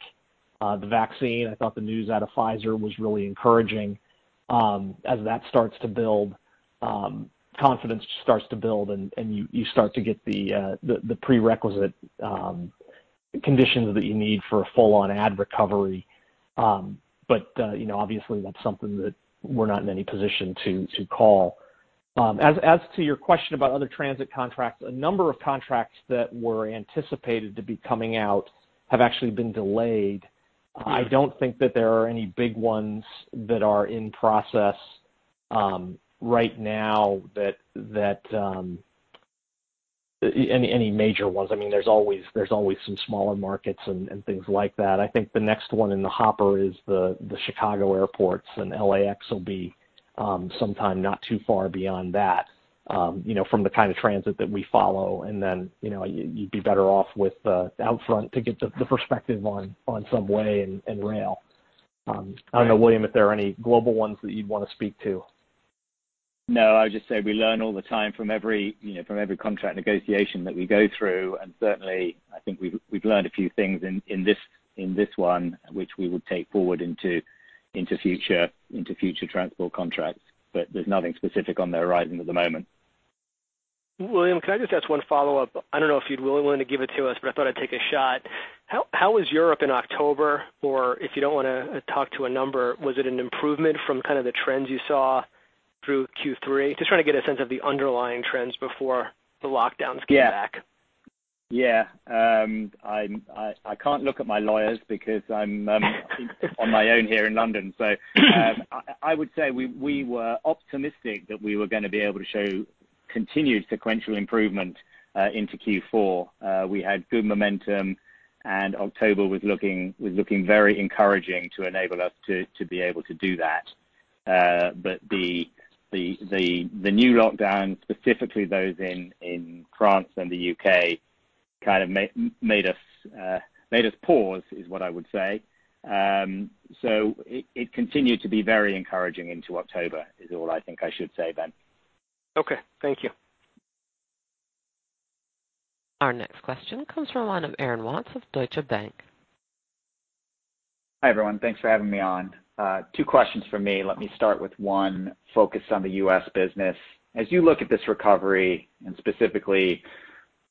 the vaccine, I thought the news out of Pfizer was really encouraging. As that starts to build, confidence starts to build, and you start to get the prerequisite conditions that you need for a full-on ad recovery. Obviously, that's something that we're not in any position to call. As to your question about other transit contracts, a number of contracts that were anticipated to be coming out have actually been delayed. I don't think that there are any big ones that are in process right now, any major ones. There's always some smaller markets and things like that. I think the next one in the hopper is the Chicago airports, and LAX will be sometime not too far beyond that from the kind of transit that we follow, and then you'd be better off with Outfront to get the perspective on subway and rail. I don't know, William, if there are any global ones that you'd want to speak to. No, I would just say we learn all the time from every contract negotiation that we go through. Certainly, I think we've learned a few things in this one which we will take forward into future transport contracts. There's nothing specific on the horizon at the moment. William, can I just ask one follow-up? I don't know if you'd be willing to give it to us, but I thought I'd take a shot. How was Europe in October? If you don't want to talk to a number, was it an improvement from kind of the trends you saw through Q3? Just trying to get a sense of the underlying trends before the lockdowns came back. Yeah. I can't look at my lawyers because I'm on my own here in London. I would say we were optimistic that we were going to be able to show continued sequential improvement into Q4. We had good momentum, October was looking very encouraging to enable us to be able to do that. The new lockdown, specifically those in France and the U.K., kind of made us pause, is what I would say. It continued to be very encouraging into October is all I think I should say, Ben. Okay. Thank you. Our next question comes from the line of Aaron Watts of Deutsche Bank. Hi, everyone. Thanks for having me on. Two questions from me. Let me start with one focused on the U.S. business. As you look at this recovery, and specifically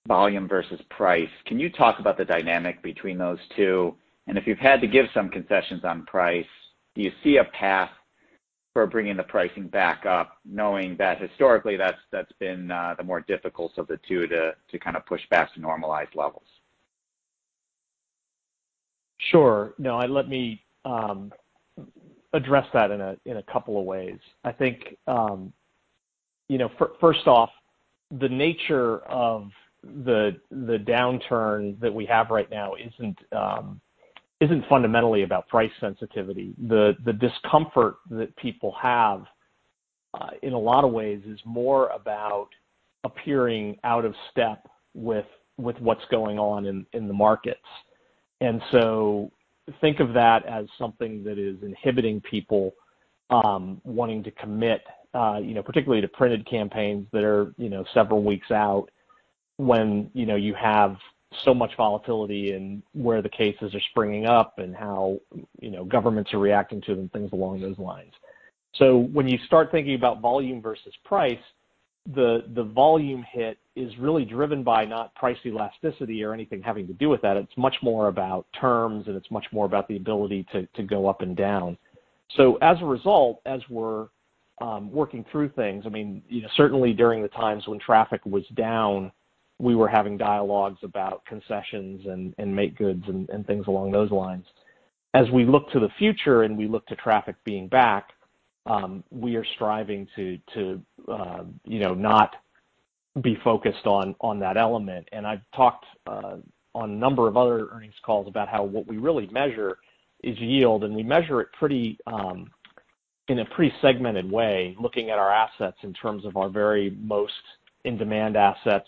volume versus price, can you talk about the dynamic between those two? If you've had to give some concessions on price, do you see a path for bringing the pricing back up, knowing that historically that's been the more difficult of the two to kind of push back to normalized levels? Sure. No, let me address that in a couple of ways. I think, first off, the nature of the downturn that we have right now isn't fundamentally about price sensitivity. The discomfort that people have, in a lot of ways is more about appearing out of step with what's going on in the markets. Think of that as something that is inhibiting people wanting to commit, particularly to printed campaigns that are several weeks out when you have so much volatility and where the cases are springing up and how governments are reacting to them, things along those lines. When you start thinking about volume versus price, the volume hit is really driven by not price elasticity or anything having to do with that. It's much more about terms, and it's much more about the ability to go up and down. As a result, as we're working through things, certainly during the times when traffic was down, we were having dialogues about concessions and makegoods and things along those lines. As we look to the future and we look to traffic being back, we are striving to not be focused on that element. I've talked on a number of other earnings calls about how what we really measure is yield, and we measure it in a pretty segmented way, looking at our assets in terms of our very most in-demand assets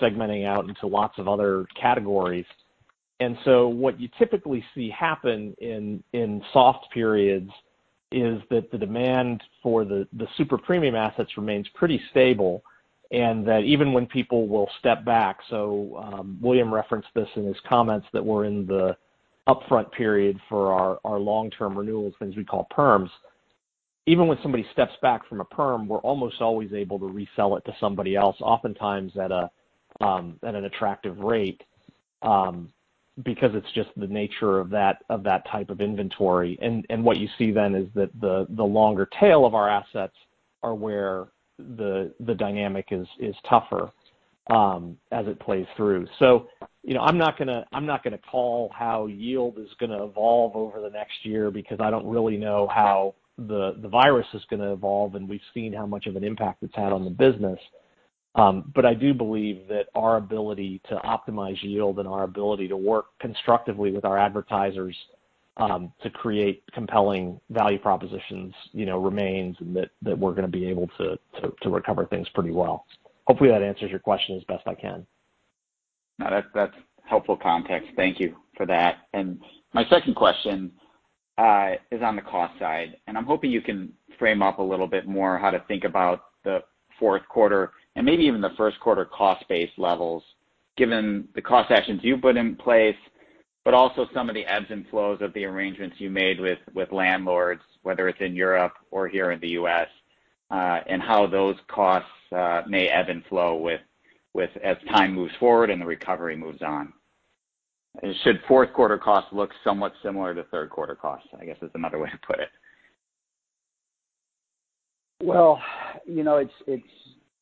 segmenting out into lots of other categories. What you typically see happen in soft periods is that the demand for the super premium assets remains pretty stable, and that even when people will step back. William referenced this in his comments that we're in the upfront period for our long-term renewals, things we call PERMs. Even when somebody steps back from a PERM, we're almost always able to resell it to somebody else, oftentimes at an attractive rate, because it's just the nature of that type of inventory. What you see then is that the longer tail of our assets are where the dynamic is tougher as it plays through. I'm not going to call how yield is going to evolve over the next year because I don't really know how the virus is going to evolve, and we've seen how much of an impact it's had on the business. I do believe that our ability to optimize yield and our ability to work constructively with our advertisers, to create compelling value propositions remains, and that we're going to be able to recover things pretty well. Hopefully, that answers your question as best I can. No, that's helpful context. Thank you for that. My second question is on the cost side, and I'm hoping you can frame up a little bit more how to think about the fourth quarter and maybe even the first quarter cost base levels, given the cost actions you put in place, but also some of the ebbs and flows of the arrangements you made with landlords, whether it's in Europe or here in the U.S., and how those costs may ebb and flow as time moves forward and the recovery moves on. Should fourth quarter costs look somewhat similar to third quarter costs? I guess is another way to put it. Well,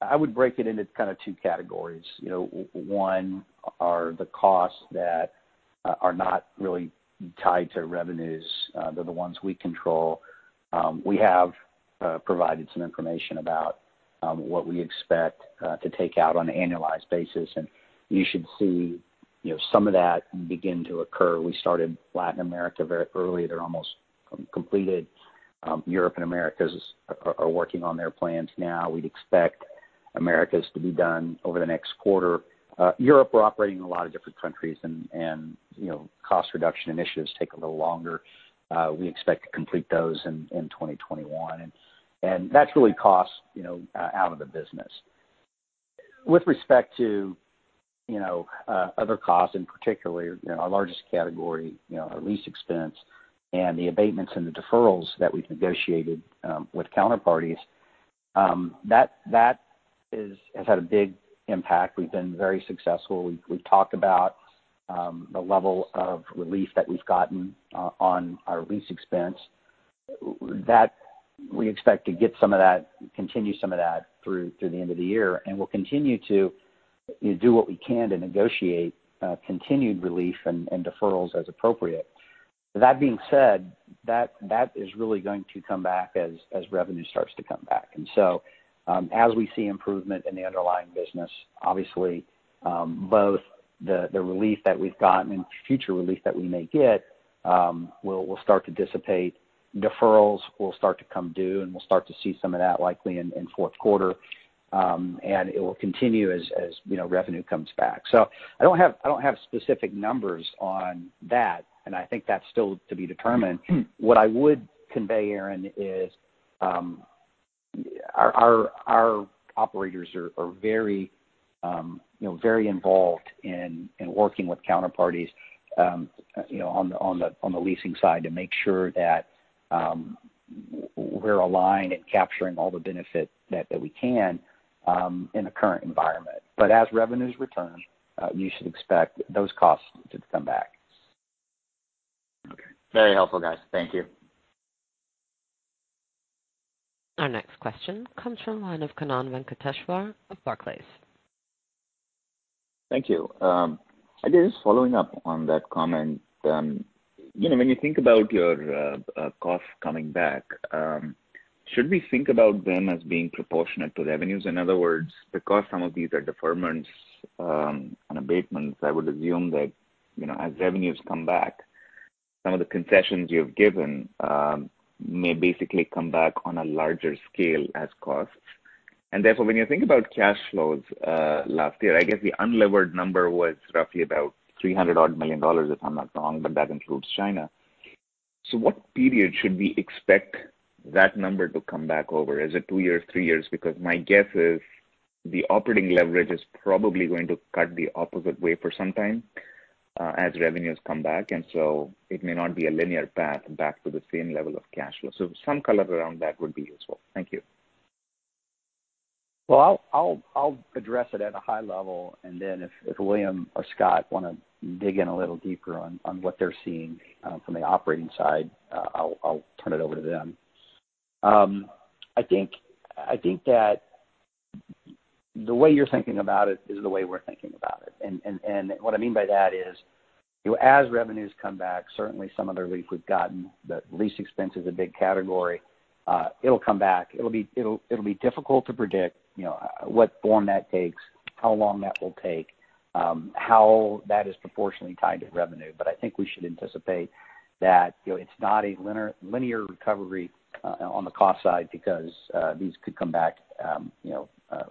I would break it into kind of two categories. One are the costs that are not really tied to revenues. They're the ones we control. We have provided some information about what we expect to take out on an annualized basis, and you should see some of that begin to occur. We started Latin America very early. They're almost completed. Europe and Americas are working on their plans now. We'd expect Americas to be done over the next quarter. Europe, we're operating in a lot of different countries, and cost reduction initiatives take a little longer. We expect to complete those in 2021. That's really cost out of the business. With respect to other costs and particularly our largest category, our lease expense and the abatements and the deferrals that we've negotiated with counterparties, that has had a big impact. We've been very successful. We've talked about the level of relief that we've gotten on our lease expense. That we expect to continue some of that through to the end of the year. We'll continue to do what we can to negotiate continued relief and deferrals as appropriate. That being said, that is really going to come back as revenue starts to come back. As we see improvement in the underlying business, obviously, both the relief that we've gotten and future relief that we may get will start to dissipate. Deferrals will start to come due, and we'll start to see some of that likely in fourth quarter, and it will continue as revenue comes back. I don't have specific numbers on that, and I think that's still to be determined. What I would convey, Aaron, is our operators are very involved in working with counterparties on the leasing side to make sure that we're aligned and capturing all the benefit that we can in the current environment. As revenues return, you should expect those costs to come back. Okay. Very helpful, guys. Thank you. Our next question comes from the line of Kannan Venkateshwar of Barclays. Thank you. I guess following up on that comment, when you think about your costs coming back, should we think about them as being proportionate to revenues? In other words, because some of these are deferments and abatements, I would assume that as revenues come back, some of the concessions you've given may basically come back on a larger scale as costs. Therefore, when you think about cash flows last year, I guess the unlevered number was roughly about $300 odd million, if I'm not wrong, but that includes China. What period should we expect that number to come back over? Is it two years, three years? Because my guess is the operating leverage is probably going to cut the opposite way for some time as revenues come back, and so it may not be a linear path back to the same level of cash flow. Some color around that would be useful. Thank you. Well, I'll address it at a high level, and then if William or Scott want to dig in a little deeper on what they're seeing from the operating side, I'll turn it over to them. I think that the way you're thinking about it is the way we're thinking about it. What I mean by that is, as revenues come back, certainly some of the relief we've gotten, the lease expense is a big category. It'll come back. It'll be difficult to predict what form that takes, how long that will take, how that is proportionally tied to revenue. I think we should anticipate that it's not a linear recovery on the cost side because these could come back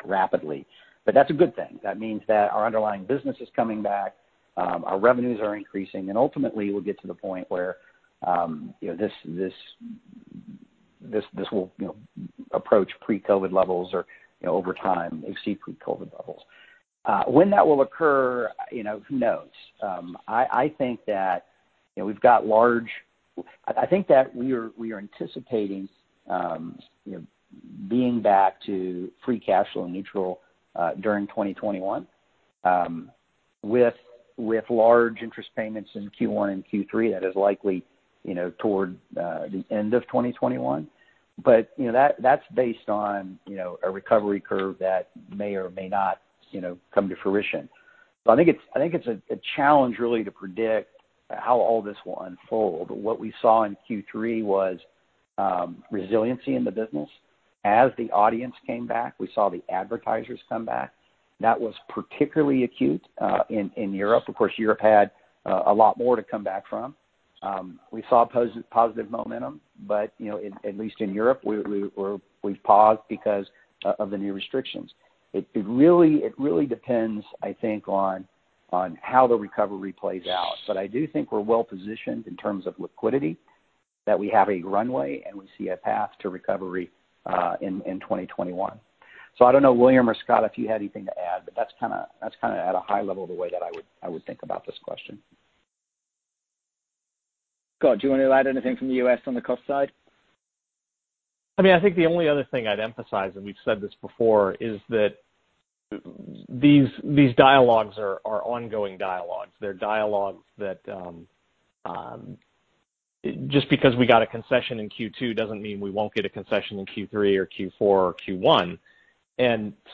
rapidly. That's a good thing. That means that our underlying business is coming back, our revenues are increasing, and ultimately we'll get to the point where this will approach pre-COVID levels or over time exceed pre-COVID levels. When that will occur, who knows? I think that we are anticipating being back to free cash flow neutral during 2021. With large interest payments in Q1 and Q3, that is likely toward the end of 2021. That's based on a recovery curve that may or may not come to fruition. I think it's a challenge really to predict how all this will unfold. What we saw in Q3 was resiliency in the business. As the audience came back, we saw the advertisers come back. That was particularly acute in Europe. Of course, Europe had a lot more to come back from. We saw positive momentum, but at least in Europe, we've paused because of the new restrictions. It really depends, I think, on how the recovery plays out. I do think we're well-positioned in terms of liquidity, that we have a runway, and we see a path to recovery in 2021. I don't know, William or Scott, if you had anything to add, but that's kind of at a high level the way that I would think about this question. Scott, do you want to add anything from the U.S. on the cost side? I think the only other thing I'd emphasize, we've said this before, is that these dialogues are ongoing dialogues. They're dialogues that just because we got a concession in Q2 doesn't mean we won't get a concession in Q3 or Q4 or Q1.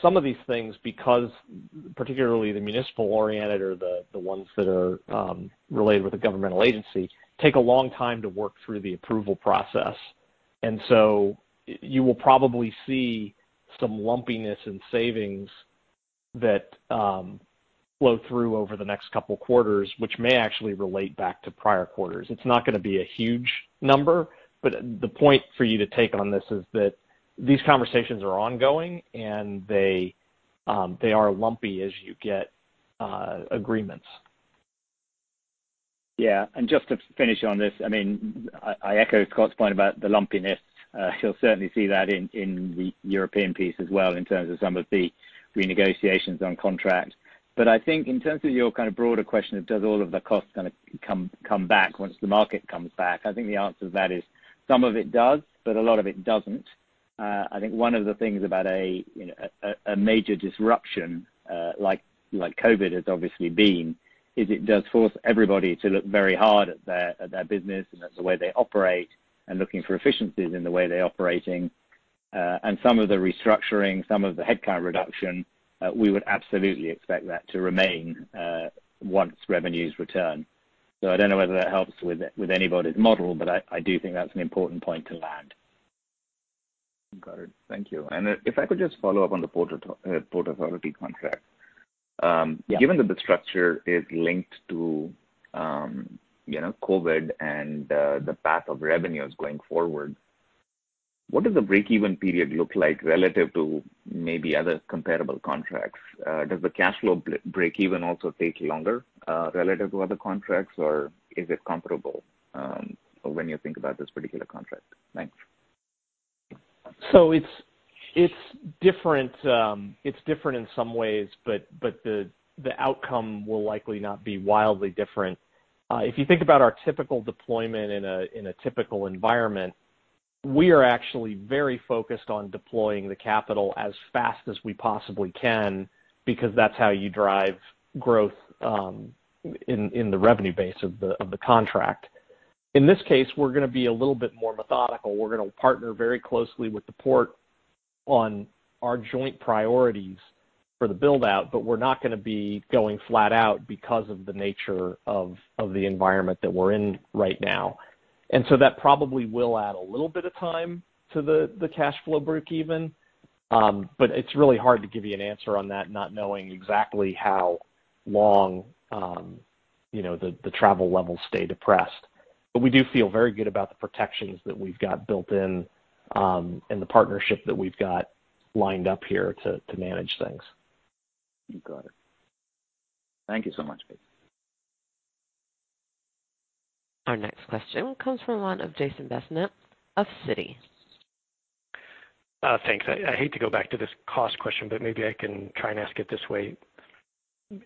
Some of these things, because particularly the municipal-oriented or the ones that are related with a governmental agency, take a long time to work through the approval process. You will probably see some lumpiness in savings that flow through over the next couple quarters, which may actually relate back to prior quarters. It's not going to be a huge number, the point for you to take on this is that these conversations are ongoing, they are lumpy as you get agreements. Yeah. Just to finish on this, I echo Scott's point about the lumpiness. You'll certainly see that in the European piece as well in terms of some of the renegotiations on contracts. I think in terms of your kind of broader question of does all of the costs going to come back once the market comes back, I think the answer to that is some of it does, but a lot of it doesn't. I think one of the things about a major disruption, like COVID has obviously been, is it does force everybody to look very hard at their business and at the way they operate and looking for efficiencies in the way they're operating. Some of the restructuring, some of the headcount reduction, we would absolutely expect that to remain once revenues return. I don't know whether that helps with anybody's model, but I do think that's an important point to land. Got it. Thank you. If I could just follow up on the Port Authority contract. Yeah. Given that the structure is linked to COVID and the path of revenues going forward, what does the break-even period look like relative to maybe other comparable contracts? Does the cash flow break even also take longer, relative to other contracts, or is it comparable when you think about this particular contract? Thanks. It's different in some ways, but the outcome will likely not be wildly different. If you think about our typical deployment in a typical environment, we are actually very focused on deploying the capital as fast as we possibly can because that's how you drive growth in the revenue base of the contract. In this case, we're going to be a little bit more methodical. We're going to partner very closely with the port on our joint priorities for the build-out, but we're not going to be going flat out because of the nature of the environment that we're in right now. That probably will add a little bit of time to the cash flow break even. It's really hard to give you an answer on that, not knowing exactly how long the travel levels stay depressed. We do feel very good about the protections that we've got built in, and the partnership that we've got lined up here to manage things. Got it. Thank you so much. Our next question comes from the line of Jason Bazinet of Citi. Thanks. I hate to go back to this cost question, but maybe I can try and ask it this way.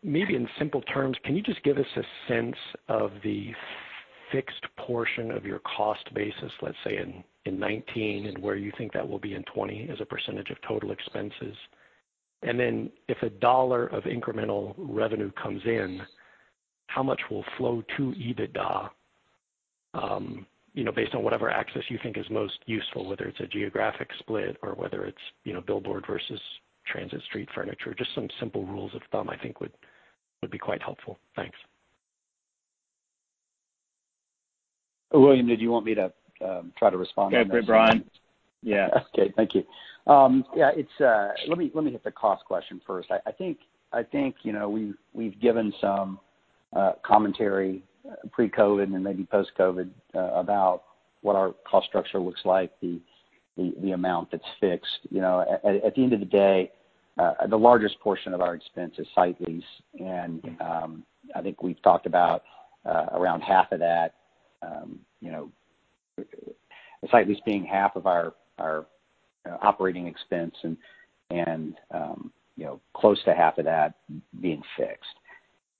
Maybe in simple terms, can you just give us a sense of the fixed portion of your cost basis, let's say in 2019, and where you think that will be in 2020 as a % of total expenses? Then if $1 of incremental revenue comes in, how much will flow to EBITDA, based on whatever axis you think is most useful, whether it's a geographic split or whether it's billboard versus transit street furniture, just some simple rules of thumb I think would be quite helpful. Thanks. William, did you want me to try to respond to this? Go ahead, Brian. Okay. Thank you. Let me hit the cost question first. I think we've given some commentary pre-COVID-19 and maybe post-COVID-19 about what our cost structure looks like, the amount that's fixed. At the end of the day, the largest portion of our expense is site lease. I think we've talked about around half of that, the site lease being half of our operating expense and close to half of that being fixed.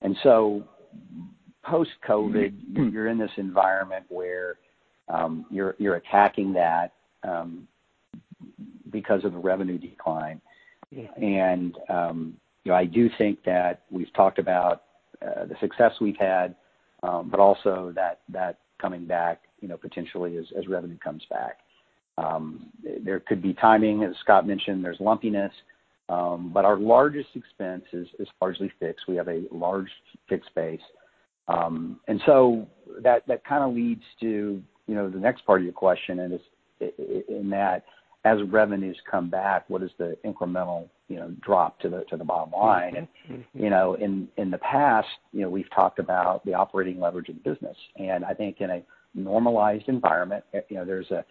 Post-COVID-19, you're in this environment where you're attacking that because of the revenue decline. Yeah. I do think that we've talked about the success we've had, but also that coming back potentially as revenue comes back. There could be timing, as Scott mentioned, there's lumpiness. Our largest expense is largely fixed. We have a large fixed base. That kind of leads to the next part of your question, and in that, as revenues come back, what is the incremental drop to the bottom line? In the past, we've talked about the operating leverage in business. I think in a normalized environment, there's a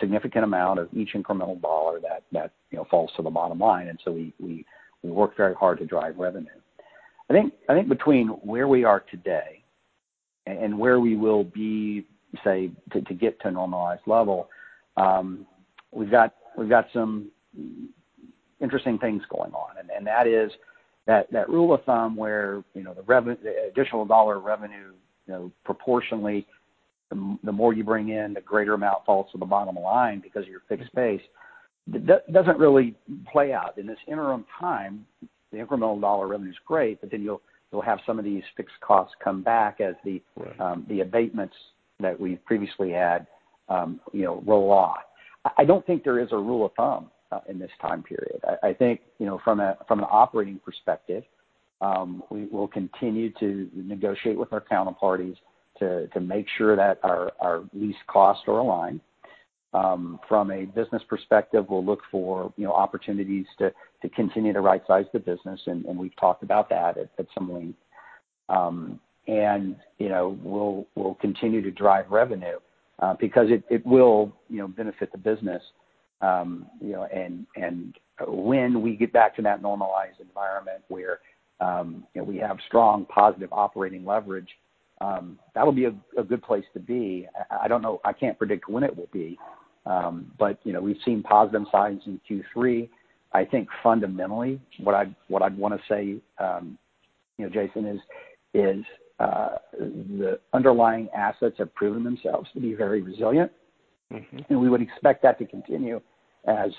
significant amount of each incremental dollar that falls to the bottom line. We work very hard to drive revenue. I think between where we are today and where we will be, say, to get to a normalized level, we've got some interesting things going on. That is that rule of thumb where the additional dollar of revenue, proportionally, the more you bring in, the greater amount falls to the bottom line because of your fixed base. That doesn't really play out. In this interim time, the incremental dollar revenue is great, but then you'll have some of these fixed costs come back as the- Right abatements that we previously had roll off. I don't think there is a rule of thumb in this time period. I think from an operating perspective, we'll continue to negotiate with our counterparties to make sure that our lease costs are aligned. From a business perspective, we'll look for opportunities to continue to right size the business, and we've talked about that at some length. We'll continue to drive revenue. Because it will benefit the business. When we get back to that normalized environment where we have strong positive operating leverage, that'll be a good place to be. I don't know, I can't predict when it will be. We've seen positive signs in Q3. I think fundamentally, what I'd want to say, Jason, is the underlying assets have proven themselves to be very resilient. We would expect that to continue as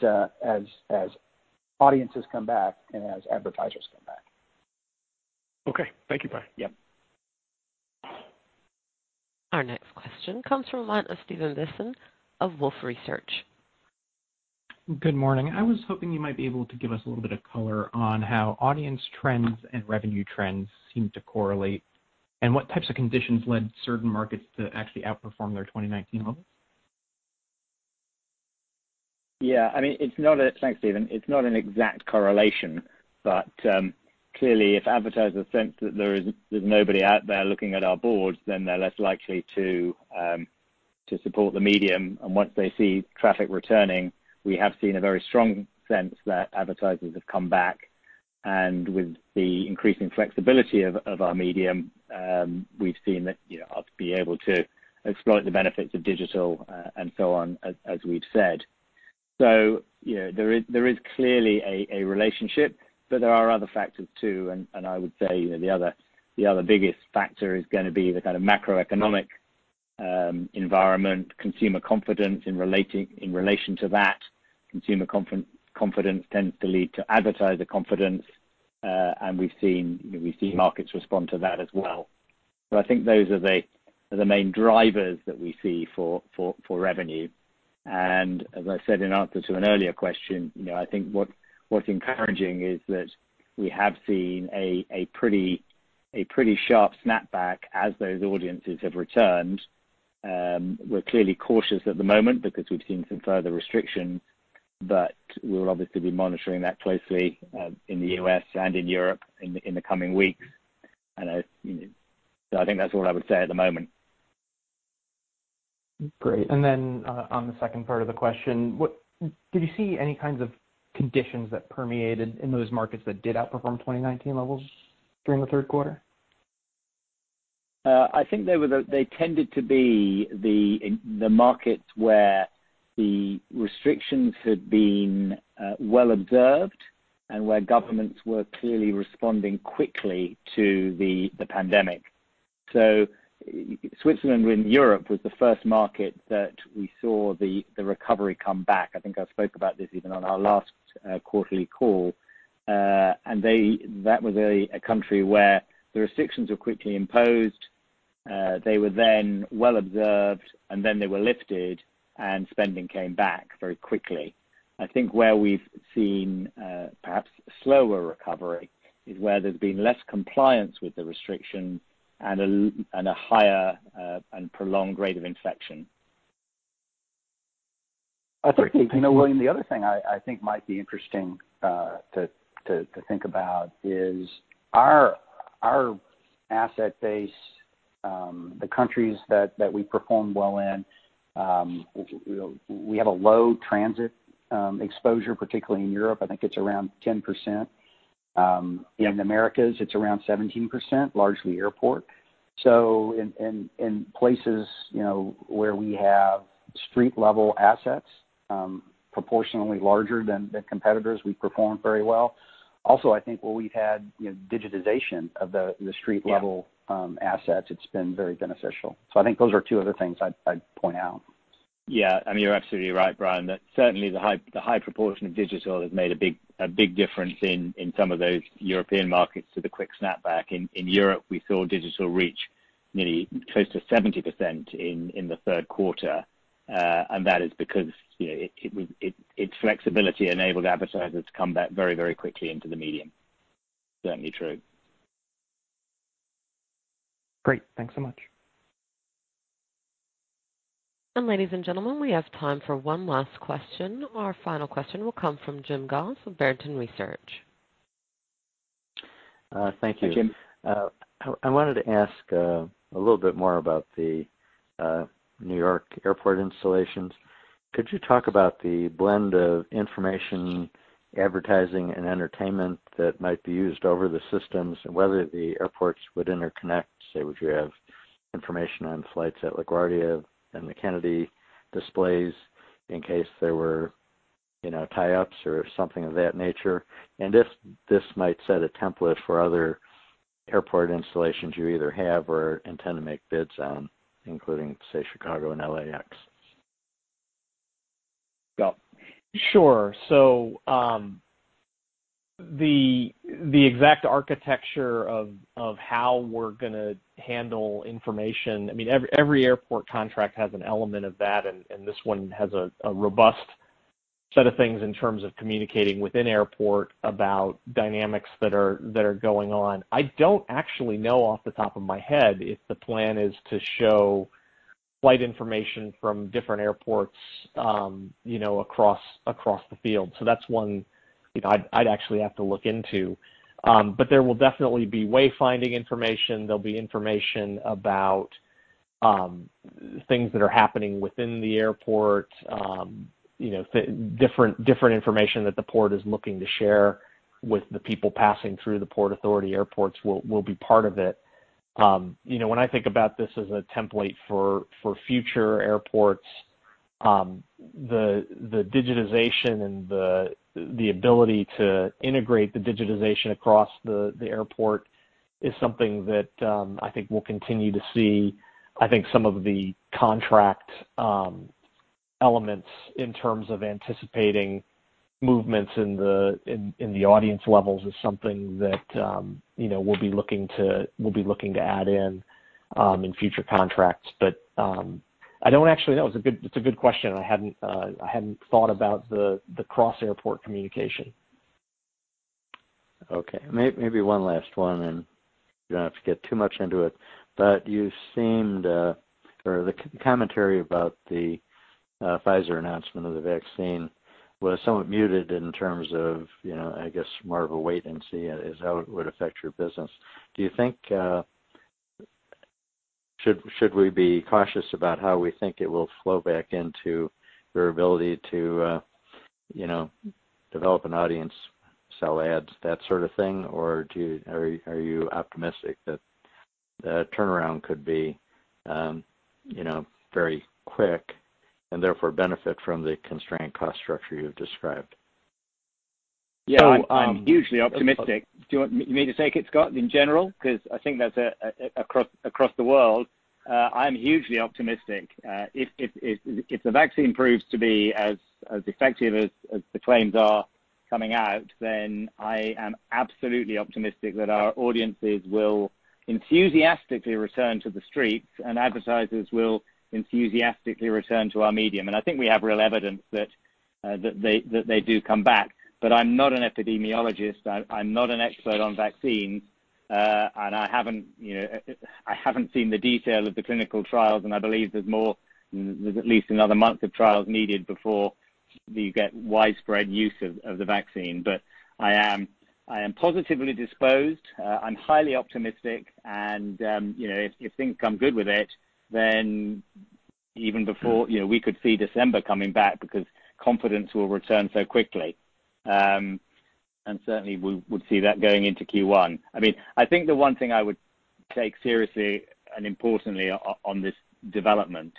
audiences come back and as advertisers come back. Okay. Thank you, Brian. Yeah. Our next question comes from the line of Stephan Bisson of Wolfe Research. Good morning. I was hoping you might be able to give us a little bit of color on how audience trends and revenue trends seem to correlate, and what types of conditions led certain markets to actually outperform their 2019 levels? Yeah. Thanks, Stephan. It's not an exact correlation, but clearly if advertisers sense that there's nobody out there looking at our boards, then they're less likely to support the medium. Once they see traffic returning, we have seen a very strong sense that advertisers have come back. With the increasing flexibility of our medium, we've seen that us be able to exploit the benefits of digital and so on, as we've said. There is clearly a relationship, but there are other factors, too, and I would say the other biggest factor is going to be the kind of macroeconomic environment, consumer confidence in relation to that. Consumer confidence tends to lead to advertiser confidence. We've seen markets respond to that as well. I think those are the main drivers that we see for revenue. As I said in answer to an earlier question, I think what's encouraging is that we have seen a pretty sharp snapback as those audiences have returned. We're clearly cautious at the moment because we've seen some further restriction, we will obviously be monitoring that closely in the U.S. and in Europe in the coming weeks. I think that's all I would say at the moment. Great. On the second part of the question, did you see any kinds of conditions that permeated in those markets that did outperform 2019 levels during the third quarter? I think they tended to be the markets where the restrictions had been well observed and where governments were clearly responding quickly to the pandemic. Switzerland, in Europe, was the first market that we saw the recovery come back. I think I spoke about this even on our last quarterly call. That was a country where the restrictions were quickly imposed. They were then well observed, and then they were lifted and spending came back very quickly. I think where we've seen perhaps slower recovery is where there's been less compliance with the restrictions and a higher and prolonged rate of infection. I think, Stephan, the other thing I think might be interesting to think about is our asset base, the countries that we perform well in, we have a low transit exposure, particularly in Europe. I think it's around 10%. In the Americas, it's around 17%, largely airport. In places where we have street-level assets, proportionally larger than competitors, we perform very well. I think where we've had digitization of the street level- Yeah assets, it's been very beneficial. I think those are two other things I'd point out. Yeah. You are absolutely right, Brian, that certainly the high proportion of digital has made a big difference in some of those European markets with a quick snapback. In Europe, we saw digital reach nearly close to 70% in the third quarter. That is because its flexibility enabled advertisers to come back very quickly into the medium. Certainly true. Great. Thanks so much. Ladies and gentlemen, we have time for one last question. Our final question will come from Jim Goss of Barrington Research. Thank you. Hi, Jim. I wanted to ask a little bit more about the New York Airport installations. Could you talk about the blend of information, advertising, and entertainment that might be used over the systems, and whether the airports would interconnect? Say, would you have information on flights at LaGuardia and the Kennedy displays in case there were tie-ups or something of that nature? If this might set a template for other airport installations you either have or intend to make bids on, including, say, Chicago and LAX. Sure. The exact architecture of how we're going to handle information, every airport contract has an element of that, and this one has a robust set of things in terms of communicating within airport about dynamics that are going on. I don't actually know off the top of my head if the plan is to show flight information from different airports across the field. That's one I'd actually have to look into. There will definitely be way-finding information. There'll be information about Things that are happening within the airport, different information that the Port is looking to share with the people passing through the Port Authority airports will be part of it. When I think about this as a template for future airports, the digitization and the ability to integrate the digitization across the airport is something that I think we'll continue to see. I think some of the contract elements in terms of anticipating movements in the audience levels is something that we'll be looking to add in in future contracts. I don't actually know. It's a good question, and I hadn't thought about the cross-airport communication. Okay, maybe one last one. You don't have to get too much into it. The commentary about the Pfizer announcement of the vaccine was somewhat muted in terms of, I guess, more of a wait and see as how it would affect your business. Should we be cautious about how we think it will flow back into your ability to develop an audience, sell ads, that sort of thing? Are you optimistic that turnaround could be very quick and therefore benefit from the constrained cost structure you've described? Yeah, I'm hugely optimistic. Do you want me to take it, Scott, in general? Because I think that across the world, I'm hugely optimistic. If the vaccine proves to be as effective as the claims are coming out, then I am absolutely optimistic that our audiences will enthusiastically return to the streets, and advertisers will enthusiastically return to our medium. I think we have real evidence that they do come back. I'm not an epidemiologist. I'm not an expert on vaccines. I haven't seen the detail of the clinical trials, and I believe there's at least another month of trials needed before you get widespread use of the vaccine. I am positively disposed. I'm highly optimistic. If things come good with it, then we could see December coming back because confidence will return so quickly. Certainly, we would see that going into Q1. I think the one thing I would take seriously and importantly on this development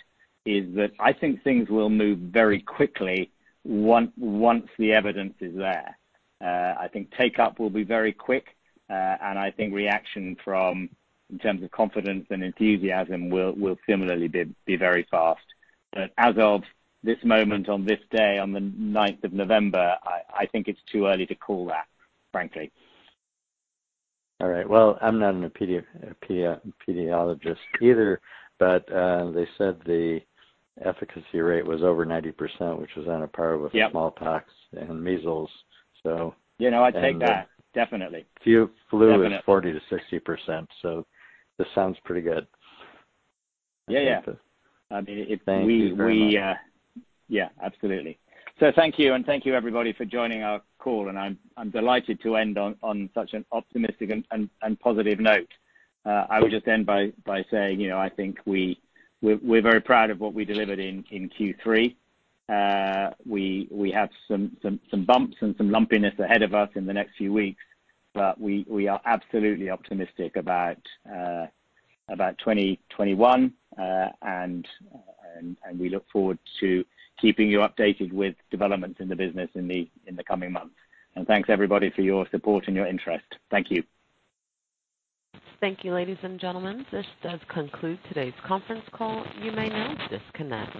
is that I think things will move very quickly once the evidence is there. I think take-up will be very quick, and I think reaction from, in terms of confidence and enthusiasm, will similarly be very fast. As of this moment on this day, on the 9th of November, I think it's too early to call that, frankly. All right. Well, I'm not an epidemiologist either, but they said the efficacy rate was over 90%, which was on a par with. Yep smallpox and measles, I take that, definitely. flu is 40%-60%, so this sounds pretty good. Yeah. Thank you very much. Yeah, absolutely. Thank you, and thank you everybody for joining our call, and I'm delighted to end on such an optimistic and positive note. I would just end by saying, I think we're very proud of what we delivered in Q3. We have some bumps and some lumpiness ahead of us in the next few weeks. We are absolutely optimistic about 2021, and we look forward to keeping you updated with developments in the business in the coming months. Thanks everybody for your support and your interest. Thank you. Thank you, ladies and gentlemen. This does conclude today's conference call. You may now disconnect.